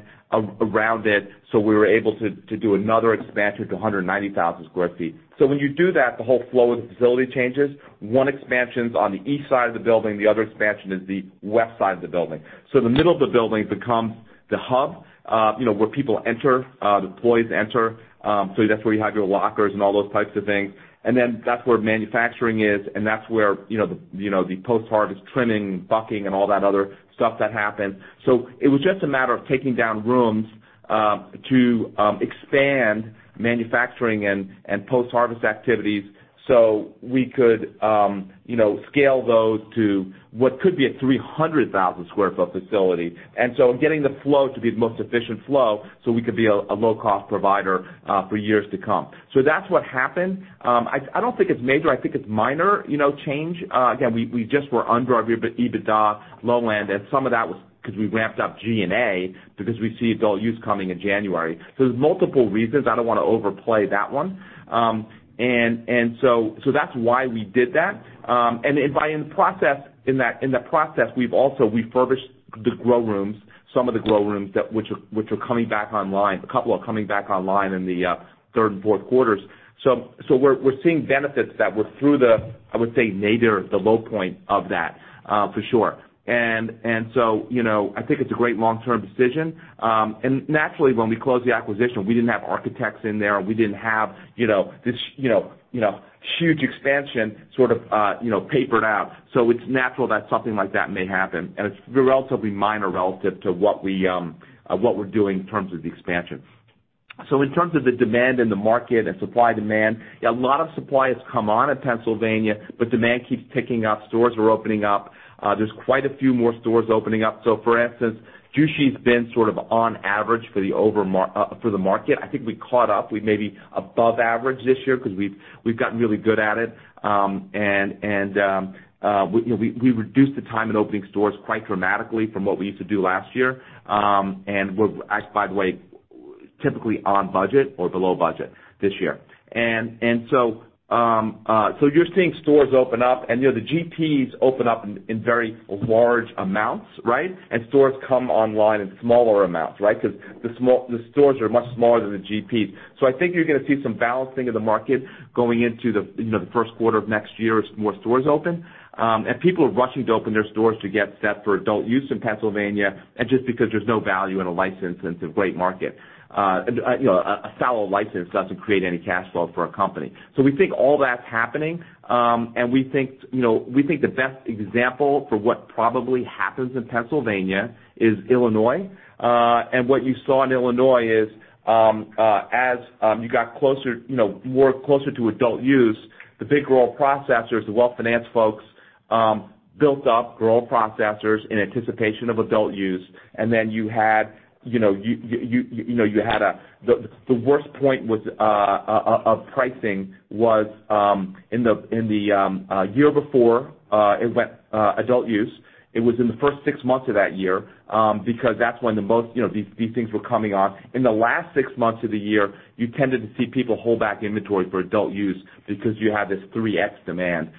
around it, so we were able to do another expansion to 190,000 sq ft. When you do that, the whole flow of the facility changes. One expansion's on the east side of the building, the other expansion is the west side of the building. The middle of the building becomes the hub where people enter, the employees enter. That's where you have your lockers and all those types of things. Then that's where manufacturing is, and that's where the post-harvest trimming, bucking, and all that other stuff that happens. It was just a matter of taking down rooms to expand manufacturing and post-harvest activities so we could scale those to what could be a 300,000 sq ft facility. Getting the flow to be the most efficient flow so we could be a low-cost provider for years to come. That's what happened. I don't think it's major. I think it's minor change. Again, we just were under our EBITDA, low land, and some of that was because we ramped up G&A because we see adult use coming in January. There's multiple reasons. I don't want to overplay that one. That's why we did that. In the process, we've also refurbished the grow rooms, some of the grow rooms, which are coming back online. A couple are coming back online in the third and fourth quarters. We're seeing benefits that were through the, I would say, nadir, the low point of that, for sure. I think it's a great long-term decision. Naturally, when we closed the acquisition, we didn't have architects in there. We didn't have this huge expansion sort of papered out. It's natural that something like that may happen. It's relatively minor relative to what we're doing in terms of the expansion. In terms of the demand in the market and supply, demand, a lot of supply has come on in Pennsylvania, but demand keeps ticking up. Stores are opening up. There's quite a few more stores opening up. For instance, Jushi's been sort of on average for the market. I think we caught up. We may be above average this year because we've gotten really good at it. We reduced the time in opening stores quite dramatically from what we used to do last year. We're, by the way, typically on budget or below budget this year. You're seeing stores open up, and the JPS open up in very large amounts, right? Stores come online in smaller amounts, right? Because the stores are much smaller than the JPS. I think you're going to see some balancing of the market going into the first quarter of next year as more stores open. People are rushing to open their stores to get set for adult use in Pennsylvania, and just because there's no value in a license and it's a great market. A sale of license doesn't create any cash flow for a company. We think all that's happening. We think the best example for what probably happens in Pennsylvania is Illinois. What you saw in Illinois is, as you got closer to adult use, the big grow processors, the well-financed folks, built up grow processors in anticipation of adult use. The worst point of pricing was in the year before it went adult use. It was in the first six months of that year, because that's when these things were coming on. In the last six months of the year, you tended to see people hold back inventory for adult use because you have this 3x demand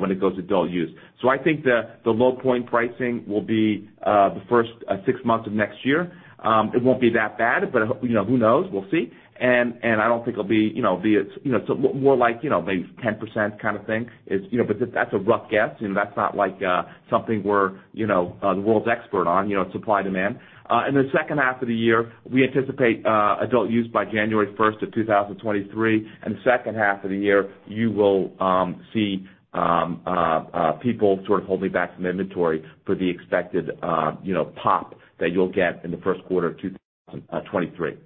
when it goes to adult use. I think the low point pricing will be the first six months of next year. It won't be that bad. Who knows? We'll see. I don't think it'll be more like maybe 10% kind of thing. That's a rough guess. That's not like something we're the world's expert on, supply, demand. In the second half of the year, we anticipate adult use by January 1st, 2023, and the second half of the year, you will see people sort of holding back some inventory for the expected pop that you'll get in the first quarter of 2023.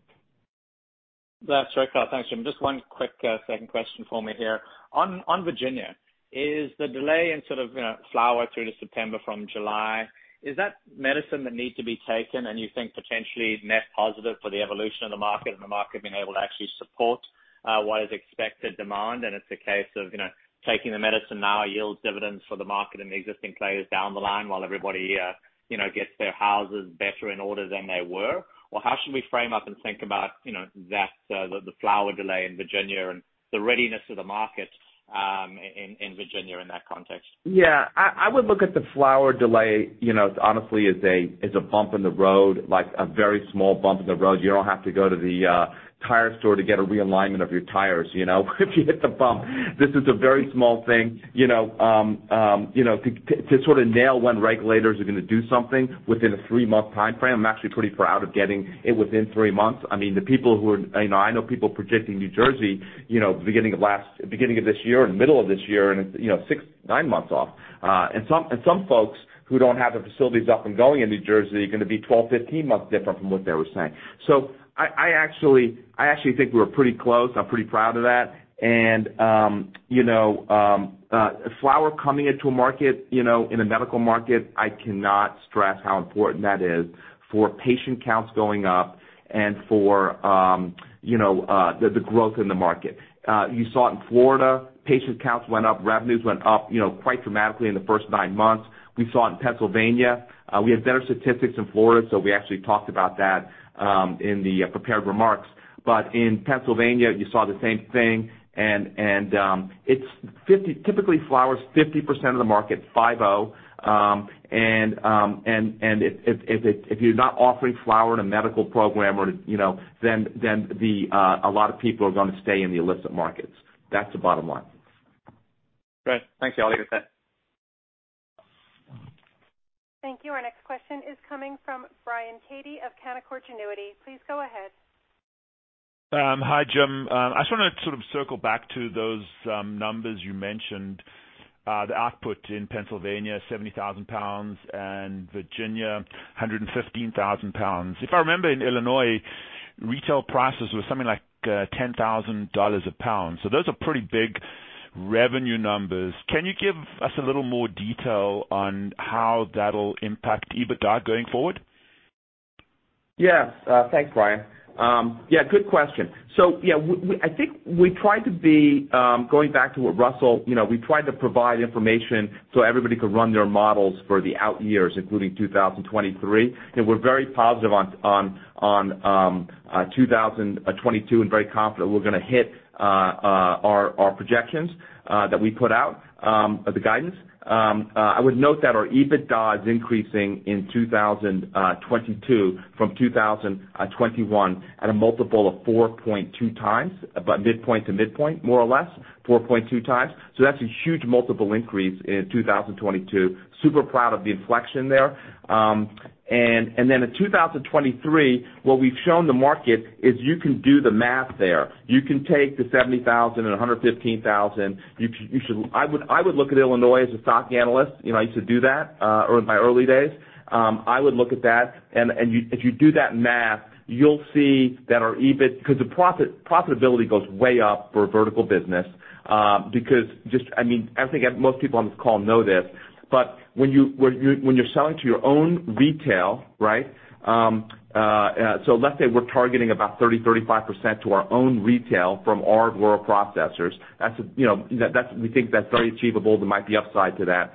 That's right. Thanks, Jim. Just one quick second question for me here. On Virginia, is the delay in sort of flower through to September from July, is that medicine that needs to be taken and you think potentially net positive for the evolution of the market and the market being able to actually support what is expected demand and it's a case of taking the medicine now yields dividends for the market and the existing players down the line while everybody gets their houses better in order than they were? How should we frame up and think about the flower delay in Virginia and the readiness of the market in Virginia in that context? Yeah. I would look at the flower delay, honestly as a bump in the road, like a very small bump in the road. You don't have to go to the tire store to get a realignment of your tires if you hit the bump. This is a very small thing. To sort of nail when regulators are going to do something within a three-month timeframe, I'm actually pretty proud of getting it within three months. I know people predicting New Jersey, beginning of this year and middle of this year, and it's six to nine months off. Some folks who don't have their facilities up and going in New Jersey are going to be 12-15 months different from what they were saying. I actually think we're pretty close. I'm pretty proud of that. Flower coming into a market, in the medical market, I cannot stress how important that is for patient counts going up and for the growth in the market. You saw it in Florida. Patient counts went up, revenues went up quite dramatically in the first nine months. We had better statistics in Florida, so we actually talked about that in the prepared remarks. In Pennsylvania, you saw the same thing, and typically flower is 50% of the market, five-O, and if you're not offering flower in a medical program, then a lot of people are going to stay in the illicit markets. That's the bottom line. Great. Thanks. I'll leave it at that. Thank you. Our next question is coming from Brian Kadey of Canaccord Genuity. Please go ahead. Hi, Jim. I just want to sort of circle back to those numbers you mentioned. The output in Pennsylvania, 70,000 lbs, and Virginia, 115,000 lbs. If I remember in Illinois, retail prices were something like $10,000 a pound. Those are pretty big revenue numbers. Can you give us a little more detail on how that'll impact EBITDA going forward? Thanks, Brian. Good question. I think, going back to what Russell, we tried to provide information so everybody could run their models for the out years, including 2023. We're very positive on 2022 and very confident we're going to hit our projections that we put out, the guidance. I would note that our EBITDA is increasing in 2022 from 2021 at a multiple of 4.2x, about midpoint to midpoint, more or less, 4.2 times. That's a huge multiple increase in 2022. Super proud of the inflection there. In 2023, what we've shown the market is you can do the math there. You can take the $70,000 and $115,000. I would look at Illinois as a stock analyst. I used to do that in my early days. I would look at that. If you do that math, you'll see that our EBIT, because the profitability goes way up for a vertical business. I think most people on this call know this, when you're selling to your own retail, right? Let's say we're targeting about 30%-35% to our own retail from our own processors. We think that's very achievable. There might be upside to that.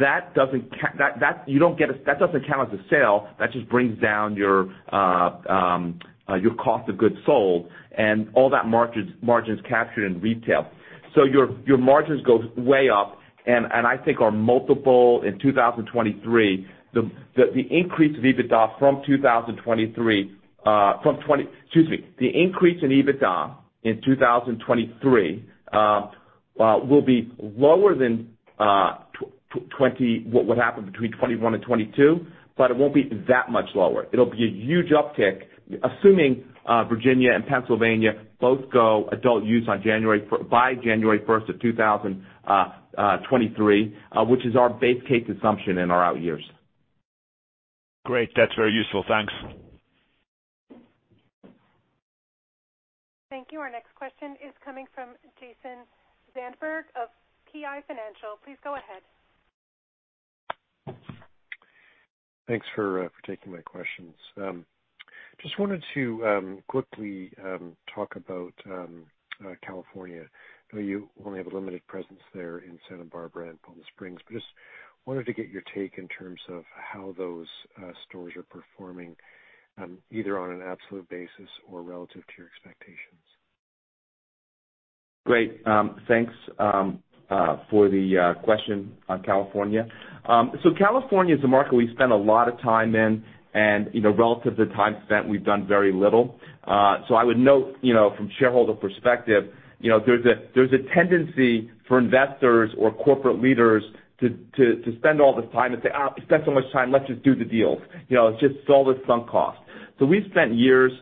That doesn't count as a sale. That just brings down your cost of goods sold and all that margin is captured in retail. Your margins goes way up. I think our multiple in 2023, the increase in EBITDA in 2023 will be lower than what happened between 2021 and 2022, it won't be that much lower. It'll be a huge uptick, assuming Virginia and Pennsylvania both go adult use by January 1st of 2023, which is our base case assumption in our out years. Great. That's very useful. Thanks. Thank you. Our next question is coming from Jason Zandberg of PI Financial. Please go ahead. Thanks for taking my questions. Just wanted to quickly talk about California. I know you only have a limited presence there in Santa Barbara and Palm Springs, but just wanted to get your take in terms of how those stores are performing, either on an absolute basis or relative to your expectations. Great. Thanks for the question on California. California is a market we spent a lot of time in, and relative to time spent, we've done very little. I would note, from shareholder perspective, there's a tendency for investors or corporate leaders to spend all this time and say, "We spent so much time, let's just do the deals." It's just all this sunk cost. We've spent years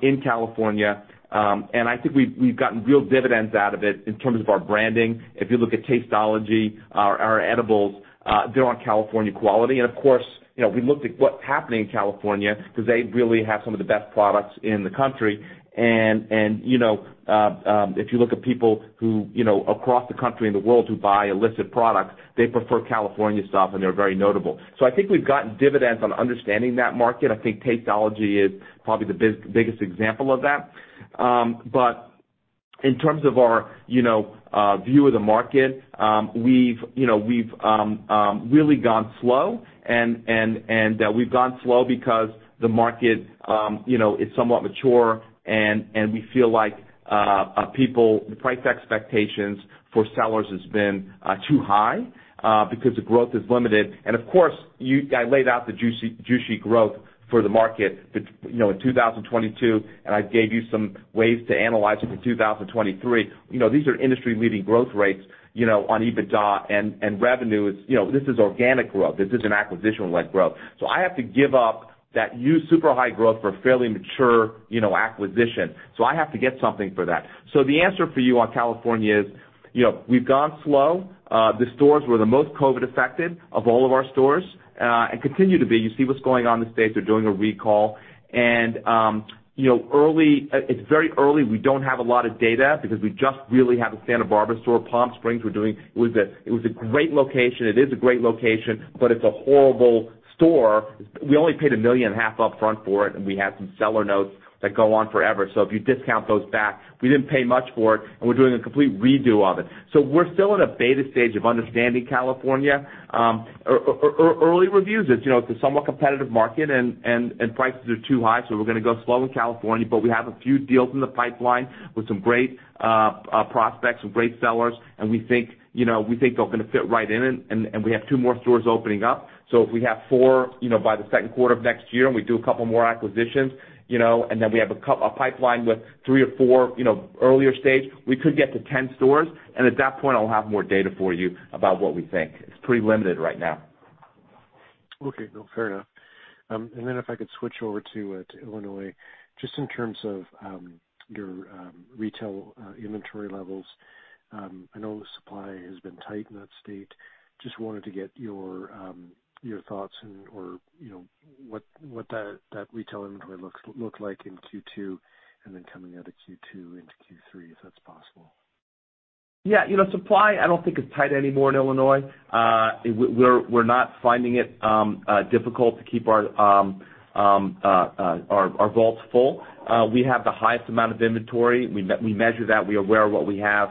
in California, and I think we've gotten real dividends out of it in terms of our branding. If you look at Tasteology, our edibles, they're on California quality. Of course, we looked at what's happening in California because they really have some of the best products in the country. If you look at people who, across the country and the world who buy illicit products, they prefer California stuff and they're very notable. I think we've gotten dividends on understanding that market. I think Tasteology is probably the biggest example of that. In terms of our view of the market, we've really gone slow. We've gone slow because the market is somewhat mature, and we feel like the price expectations for sellers has been too high because the growth is limited. Of course, I laid out the Jushi growth for the market in 2022, and I gave you some ways to analyze it for 2023. These are industry-leading growth rates on EBITDA and revenue. This is organic growth. This isn't acquisition-led growth. I have to give up that huge, super high growth for a fairly mature acquisition. I have to get something for that. The answer for you on California is, we've gone slow. The stores were the most COVID affected of all of our stores, and continue to be. You see what's going on in the States. They're doing a recall. It's very early. We don't have a lot of data because we just really have a Santa Barbara store. Palm Springs, it was a great location. It is a great location, but it's a horrible store. We only paid $1.5 million upfront for it, and we had some seller notes that go on forever. If you discount those back, we didn't pay much for it, and we're doing a complete redo of it. We're still at a beta stage of understanding California. Early reviews is, it's a somewhat competitive market and prices are too high, so we're going to go slow in California. We have a few deals in the pipeline with some great prospects and great sellers, and we think they're going to fit right in. We have two more stores opening up. If we have four by the second quarter of next year and we do a couple more acquisitions, and then we have a pipeline with three or four earlier stage, we could get to 10 stores. At that point, I'll have more data for you about what we think. It's pretty limited right now. Okay. No, fair enough. If I could switch over to Illinois, just in terms of your retail inventory levels. I know the supply has been tight in that state. Just wanted to get your thoughts and what that retail inventory looked like in Q2, and then coming out of Q2 into Q3, if that's possible. Yeah. Supply, I don't think is tight anymore in Illinois. We're not finding it difficult to keep our vaults full. We have the highest amount of inventory. We measure that. We are aware of what we have.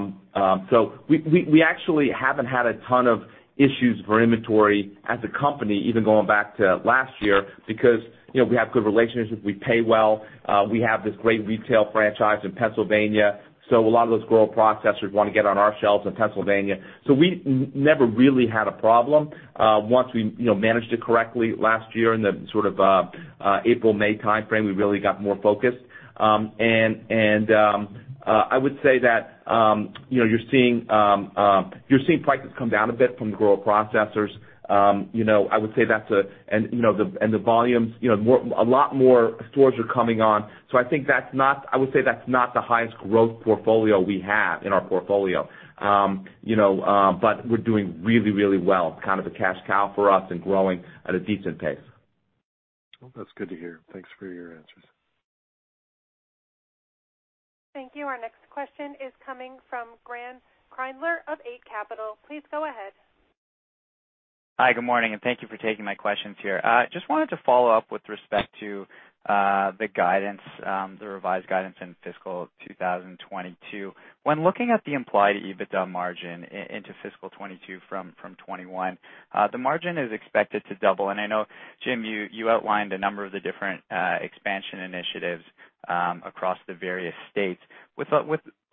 We actually haven't had a ton of issues for inventory as a company, even going back to last year, because we have good relationships. We pay well. We have this great retail franchise in Pennsylvania, so a lot of those grow processors want to get on our shelves in Pennsylvania. We never really had a problem. Once we managed it correctly last year in the April, May timeframe, we really got more focused. I would say that you're seeing prices come down a bit from the grow processors. The volumes, a lot more stores are coming on. I would say that's not the highest growth we have in our portfolio. We're doing really well. It's kind of a cash cow for us and growing at a decent pace. Well, that's good to hear. Thanks for your answers. Thank you. Our next question is coming from Graeme Kreindler of Eight Capital. Please go ahead. Hi, good morning, and thank you for taking my questions here. Just wanted to follow up with respect to the revised guidance in fiscal year 2022. When looking at the implied EBITDA margin into fiscal year 2022 from fiscal year 2021, the margin is expected to double. I know, Jim, you outlined a number of the different expansion initiatives across the various states. With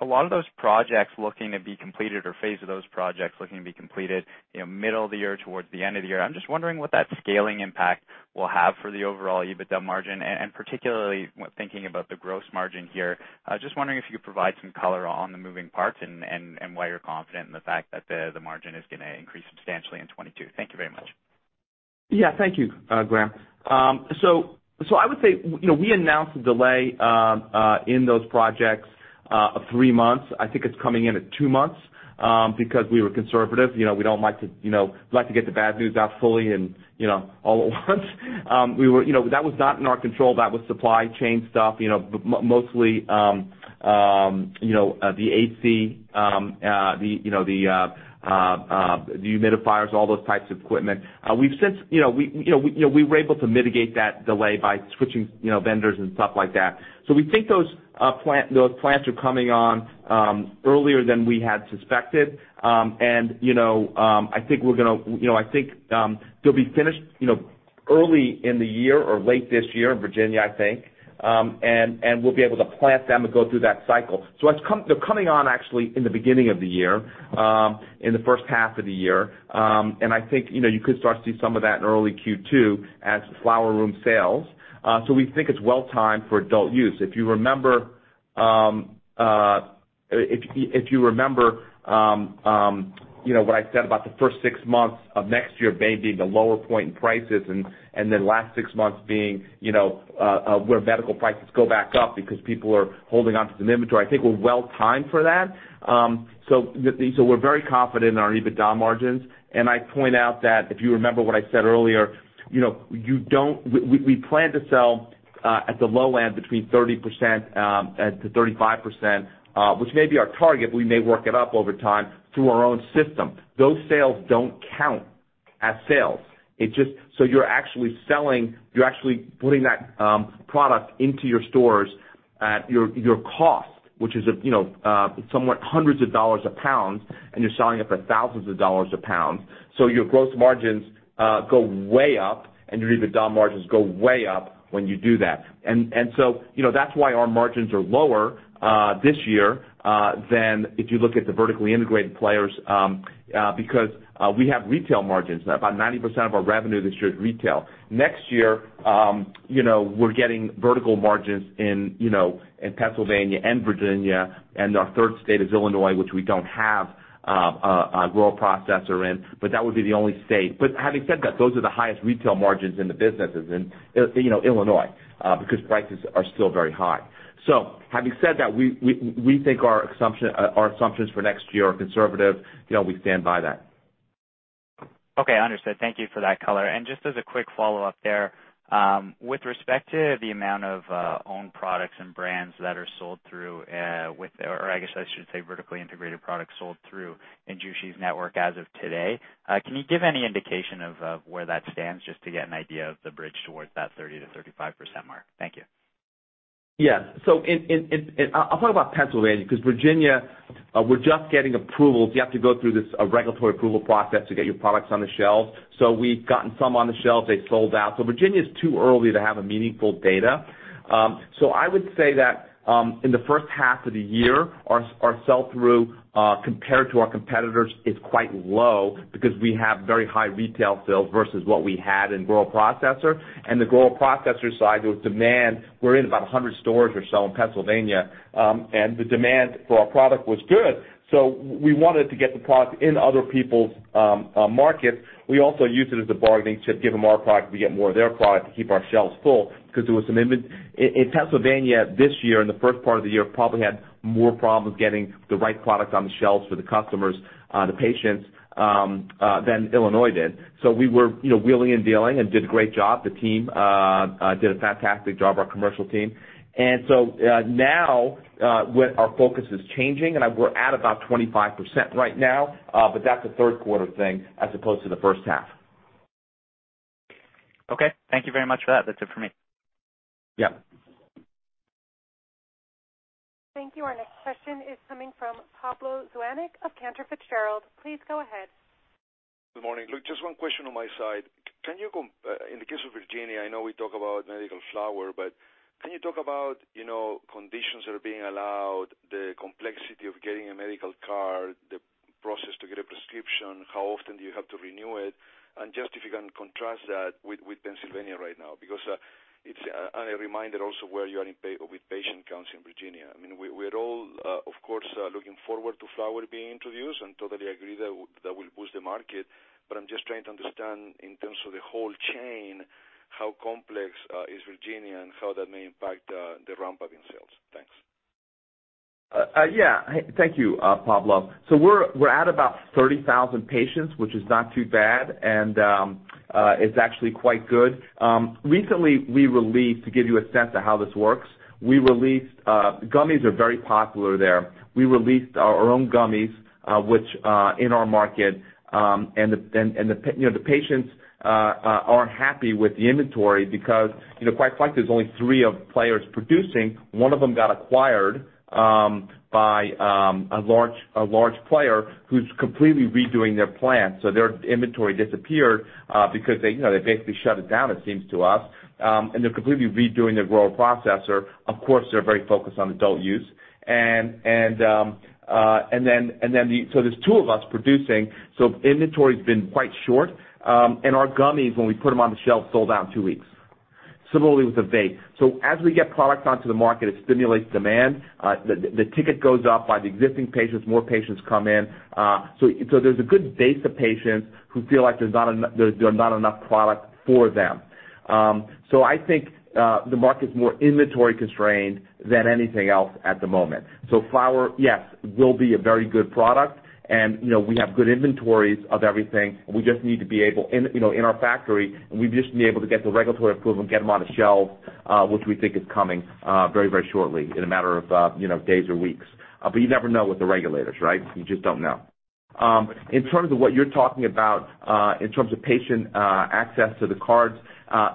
a lot of those projects looking to be completed or phase of those projects looking to be completed middle of the year towards the end of the year, I'm just wondering what that scaling impact will have for the overall EBITDA margin, and particularly thinking about the gross margin here. Just wondering if you could provide some color on the moving parts and why you're confident in the fact that the margin is going to increase substantially in 2022. Thank you very much. Yeah. Thank you, Graeme. I would say, we announced a delay in those projects of three months. I think it's coming in at two months because we were conservative. We like to get the bad news out fully and all at once. That was not in our control. That was supply chain stuff, mostly the AC, the humidifiers, all those types of equipment. We were able to mitigate that delay by switching vendors and stuff like that. We think those plants are coming on earlier than we had suspected. I think they'll be finished early in the year or late this year in Virginia, I think. We'll be able to plant them and go through that cycle. They're coming on actually in the beginning of the year, in the first half of the year. I think you could start to see some of that in early Q2 as flower room sales. We think it's well-timed for adult use. If you remember what I said about the first six months of next year may be the lower point in prices, and then last six months being where medical prices go back up because people are holding onto some inventory, I think we're well-timed for that. We're very confident in our EBITDA margins. I point out that if you remember what I said earlier, we plan to sell at the low end between 30%-35%, which may be our target. We may work it up over time through our own system. Those sales don't count as sales. You're actually putting that product into your stores at your cost, which is hundreds of dollars a pound, and you're selling it for thousands of dollars a pound. Your gross margins go way up, and your EBITDA margins go way up when you do that. That's why our margins are lower this year than if you look at the vertically integrated players, because we have retail margins. About 90% of our revenue this year is retail. Next year, we're getting vertical margins in Pennsylvania and Virginia, and our third state is Illinois, which we don't have a grow processor in, but that would be the only state. Having said that, those are the highest retail margins in the businesses, in Illinois, because prices are still very high. Having said that, we think our assumptions for next year are conservative. We stand by that. Okay, understood. Thank you for that color. Just as a quick follow-up there, with respect to the amount of owned products and brands that are sold through with, or I guess I should say, vertically integrated products sold through in Jushi's network as of today, can you give any indication of where that stands, just to get an idea of the bridge towards that 30%-35% mark? Thank you. I'll talk about Pennsylvania, because Virginia, we're just getting approvals. You have to go through this regulatory approval process to get your products on the shelves. We've gotten some on the shelves. They sold out. Virginia is too early to have meaningful data. I would say that in the first half of the year, our sell-through compared to our competitors is quite low because we have very high retail sales versus what we had in grow processor. The grow processor side, there was demand. We're in about 100 stores or so in Pennsylvania, and the demand for our product was good. We wanted to get the product in other people's markets. We also used it as a bargaining chip, give them our product, we get more of their product to keep our shelves full, because there was some In Pennsylvania this year, in the first part of the year, probably had more problems getting the right product on the shelves for the customers, the patients, than Illinois did. We were wheeling and dealing and did a great job. The team did a fantastic job, our commercial team. Now, our focus is changing, and we're at about 25% right now. That's a third quarter thing as opposed to the first half. Okay. Thank you very much for that. That is it for me. Yeah. Thank you. Our next question is coming from Pablo Zuanic of Cantor Fitzgerald. Please go ahead. Good morning. Just one question on my side. In the case of Virginia, I know we talk about medical flower, but can you talk about conditions that are being allowed, the complexity of getting a medical card, the process to get a prescription, how often do you have to renew it? Just if you can contrast that with Pennsylvania right now. It's a reminder also where you are with patient counts in Virginia. I mean, we're all, of course, looking forward to flower being introduced and totally agree that will boost the market. I'm just trying to understand in terms of the whole chain, how complex is Virginia and how that may impact the ramp-up in sales. Thanks. Thank you, Pablo. We're at about 30,000 patients, which is not too bad, and it's actually quite good. Recently, we released, to give you a sense of how this works, gummies are very popular there. We released our own gummies in our market, and the patients aren't happy with the inventory because quite frankly, there's only three players producing. One of them got acquired by a large player who's completely redoing their plant. Their inventory disappeared because they basically shut it down, it seems to us, and they're completely redoing their grow processor. Of course, they're very focused on adult use. There's two of us producing. Inventory's been quite short. Our gummies, when we put them on the shelf, sold out in two weeks. Similarly with the vape. As we get products onto the market, it stimulates demand. The ticket goes up by the existing patients. More patients come in. There's a good base of patients who feel like there's not enough product for them. I think the market's more inventory constrained than anything else at the moment. Flower, yes, will be a very good product, and we have good inventories of everything. We just need to be able in our factory, and we just need to be able to get the regulatory approval, get them on the shelves, which we think is coming very shortly, in a matter of days or weeks. You never know with the regulators, right? You just don't know. In terms of what you're talking about in terms of patient access to the cards,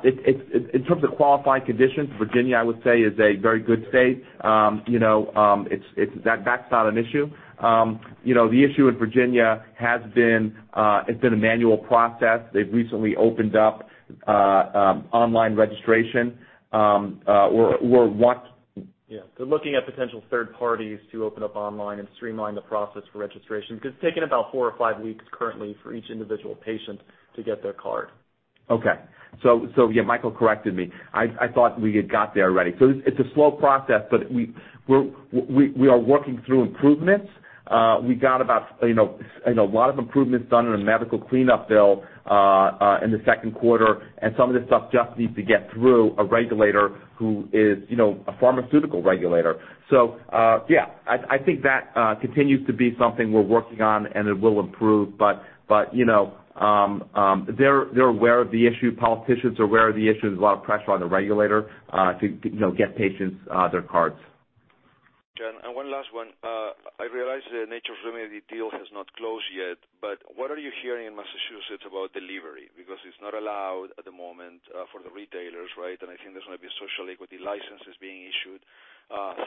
in terms of qualifying conditions, Virginia, I would say, is a very good state. That's not an issue. The issue in Virginia has been it's been a manual process. They've recently opened up online registration. Yeah. They are looking at potential third parties to open up online and streamline the process for registration because it is taking about four or five weeks currently for each individual patient to get their card. Okay. Yeah, Michael corrected me. I thought we had got there already. It's a slow process, but we are working through improvements. We got a lot of improvements done in a medical cleanup bill in the second quarter, and some of this stuff just needs to get through a regulator who is a pharmaceutical regulator. Yeah, I think that continues to be something we're working on and it will improve. They're aware of the issue. Politicians are aware of the issue. There's a lot of pressure on the regulator to get patients their cards. One last one. I realize the Nature's Remedy deal has not closed yet, but what are you hearing in Massachusetts about delivery? Because it's not allowed at the moment for the retailers, right? I think there's going to be social equity licenses being issued.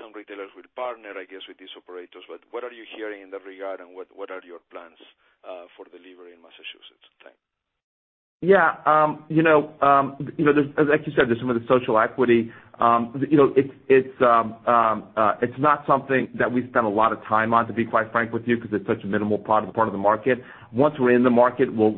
Some retailers will partner, I guess, with these operators. What are you hearing in that regard, and what are your plans for delivery in Massachusetts? Thanks. Yeah. As like you said, there's some of the social equity. It's not something that we spend a lot of time on, to be quite frank with you, because it's such a minimal part of the market. Once we're in the market, we'll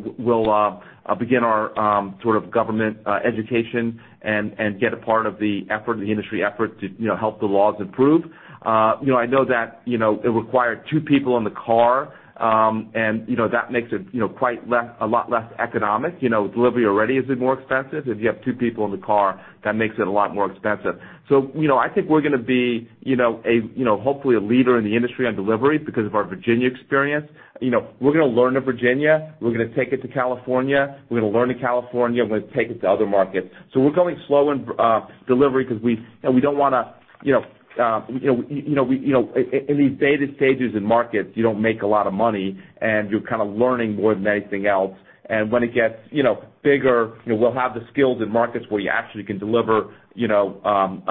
begin our government education and get a part of the industry effort to help the laws improve. I know that it required two people in the car, and that makes it quite a lot less economic. Delivery already is more expensive. If you have two people in the car, that makes it a lot more expensive. I think we're going to be hopefully a leader in the industry on delivery because of our Virginia experience. We're going to learn in Virginia, we're going to take it to California, we're going to learn in California, we're going to take it to other markets. We're going slow on delivery because in these beta stages in markets, you don't make a lot of money, and you're kind of learning more than anything else. When it gets bigger, we'll have the skills in markets where you actually can deliver in a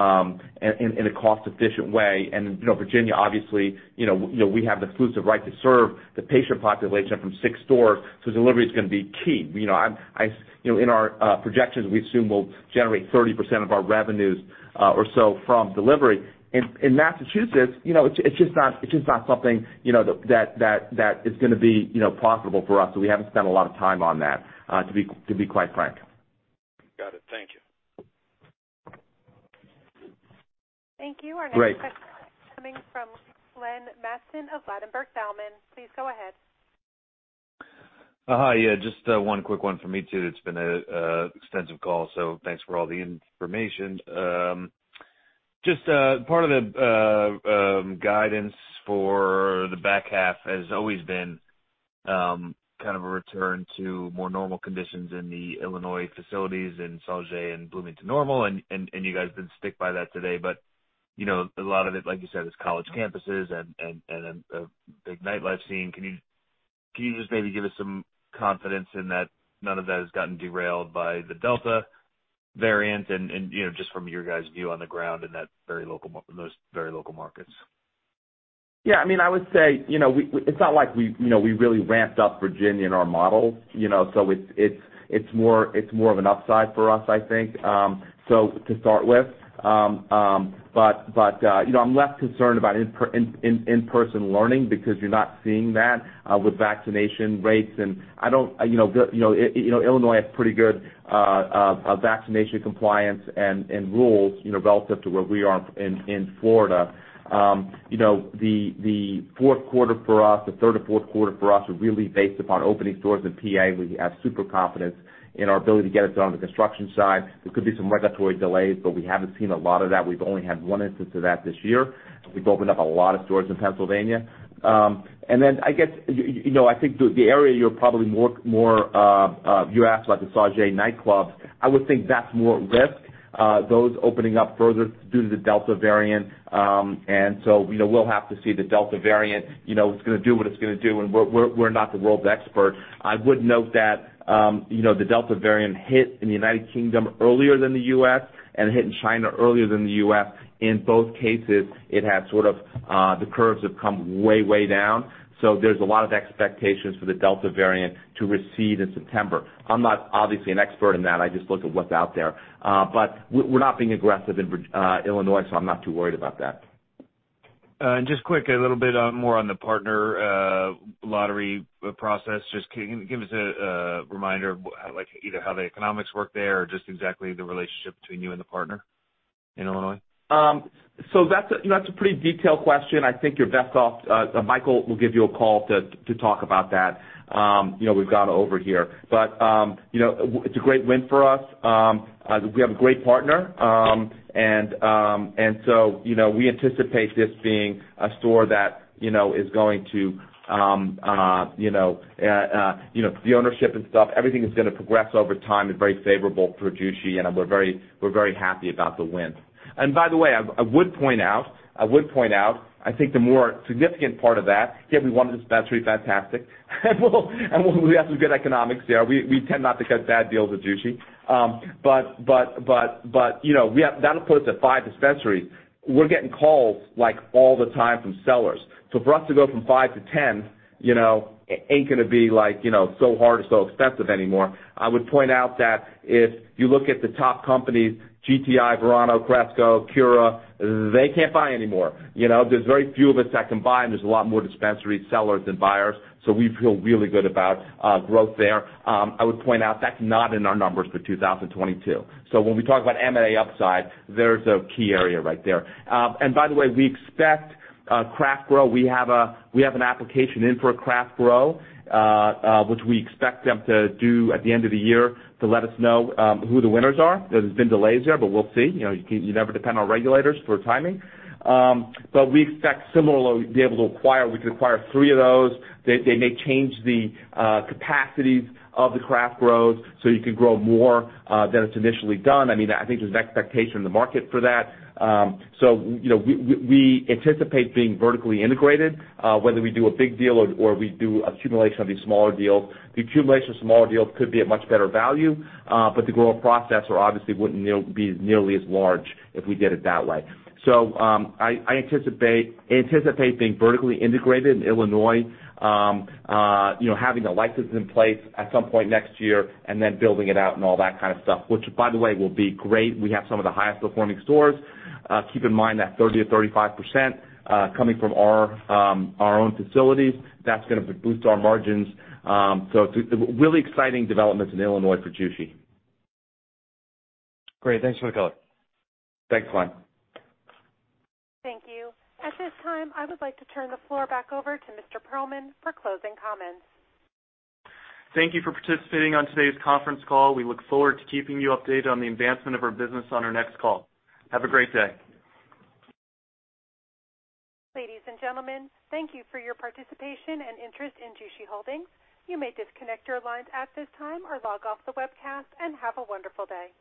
cost-efficient way. Virginia, obviously, we have the exclusive right to serve the patient population from six stores, delivery is going to be key. In our projections, we assume we'll generate 30% of our revenues or so from delivery. In Massachusetts, it's just not something that is going to be profitable for us, we haven't spent a lot of time on that, to be quite frank. Got it. Thank you. Thank you. Great. Our next question coming from Glenn Mattson of Ladenburg Thalmann. Please go ahead. Hi. Yeah, just one quick one from me, too. It's been an extensive call, so thanks for all the information. Just part of the guidance for the back half has always been kind of a return to more normal conditions in the Illinois facilities in Sauget and Bloomington-Normal, and you guys did stick by that today. But a lot of it, like you said, is college campuses and a big nightlife scene. Can you just maybe give us some confidence in that none of that has gotten derailed by the Delta variant, and just from your guys' view on the ground in those very local markets? Yeah. I would say, it's not like we really ramped up Virginia in our model. It's more of an upside for us, I think, to start with. I'm less concerned about in-person learning because you're not seeing that with vaccination rates. Illinois has pretty good vaccination compliance and rules relative to where we are in Florida. The third or fourth quarter for us are really based upon opening stores in P.A. We have super confidence in our ability to get it done on the construction side. There could be some regulatory delays, but we haven't seen a lot of that. We've only had one instance of that this year. We've opened up a lot of stores in Pennsylvania. I think, you asked about the Sauget nightclubs. I would think that's more at risk, those opening up further due to the Delta variant. We'll have to see the Delta variant. It's going to do what it's going to do, and we're not the world's expert. I would note that the Delta variant hit in the United Kingdom earlier than the U.S., and it hit in China earlier than the U.S. In both cases, the curves have come way down. There's a lot of expectations for the Delta variant to recede in September. I'm not obviously an expert in that. I just look at what's out there. We're not being aggressive in Illinois, so I'm not too worried about that. Just quick, a little bit more on the partner lottery process. Can you give us a reminder of either how the economics work there or just exactly the relationship between you and the partner in Illinois? That's a pretty detailed question. I think you're best off Michael will give you a call to talk about that. We've gone over here. It's a great win for us. We have a great partner. We anticipate this being a store. The ownership and stuff, everything is going to progress over time and very favorable for Jushi, and we're very happy about the win. By the way, I would point out, I think the more significant part of that, getting one dispensary, fantastic, and we have some good economics there. We tend not to cut bad deals with Jushi. That'll put us at five dispensaries. We're getting calls all the time from sellers. For us to go from five to 10 ain't going to be so hard or so expensive anymore. I would point out that if you look at the top companies, GTI, Verano, Cresco, Cura, they can't buy anymore. There's very few of us that can buy, and there's a lot more dispensary sellers than buyers. We feel really good about growth there. I would point out that's not in our numbers for 2022. When we talk about M&A upside, there's a key area right there. By the way, we expect craft grow. We have an application in for a craft grow, which we expect them to do at the end of the year to let us know who the winners are. There's been delays there, but we'll see. You never depend on regulators for timing. We expect similarly to be able to acquire. We could acquire three of those. They may change the capacities of the craft grows so you can grow more than it's initially done. I think there's an expectation in the market for that. We anticipate being vertically integrated, whether we do a big deal or we do accumulation of these smaller deals. The accumulation of smaller deals could be at much better value, but the grow processor obviously wouldn't be nearly as large if we did it that way. I anticipate being vertically integrated in Illinois, having a license in place at some point next year, and then building it out and all that kind of stuff, which by the way, will be great. We have some of the highest performing stores. Keep in mind that 30%-35% coming from our own facilities, that's going to boost our margins. Really exciting developments in Illinois for Jushi. Great. Thanks, Michael. Thanks, Glenn. Thank you. At this time, I would like to turn the floor back over to Mr. Perlman for closing comments. Thank you for participating on today's conference call. We look forward to keeping you updated on the advancement of our business on our next call. Have a great day. Ladies and gentlemen, thank you for your participation and interest in Jushi Holdings. You may disconnect your lines at this time or log off the webcast, and have a wonderful day.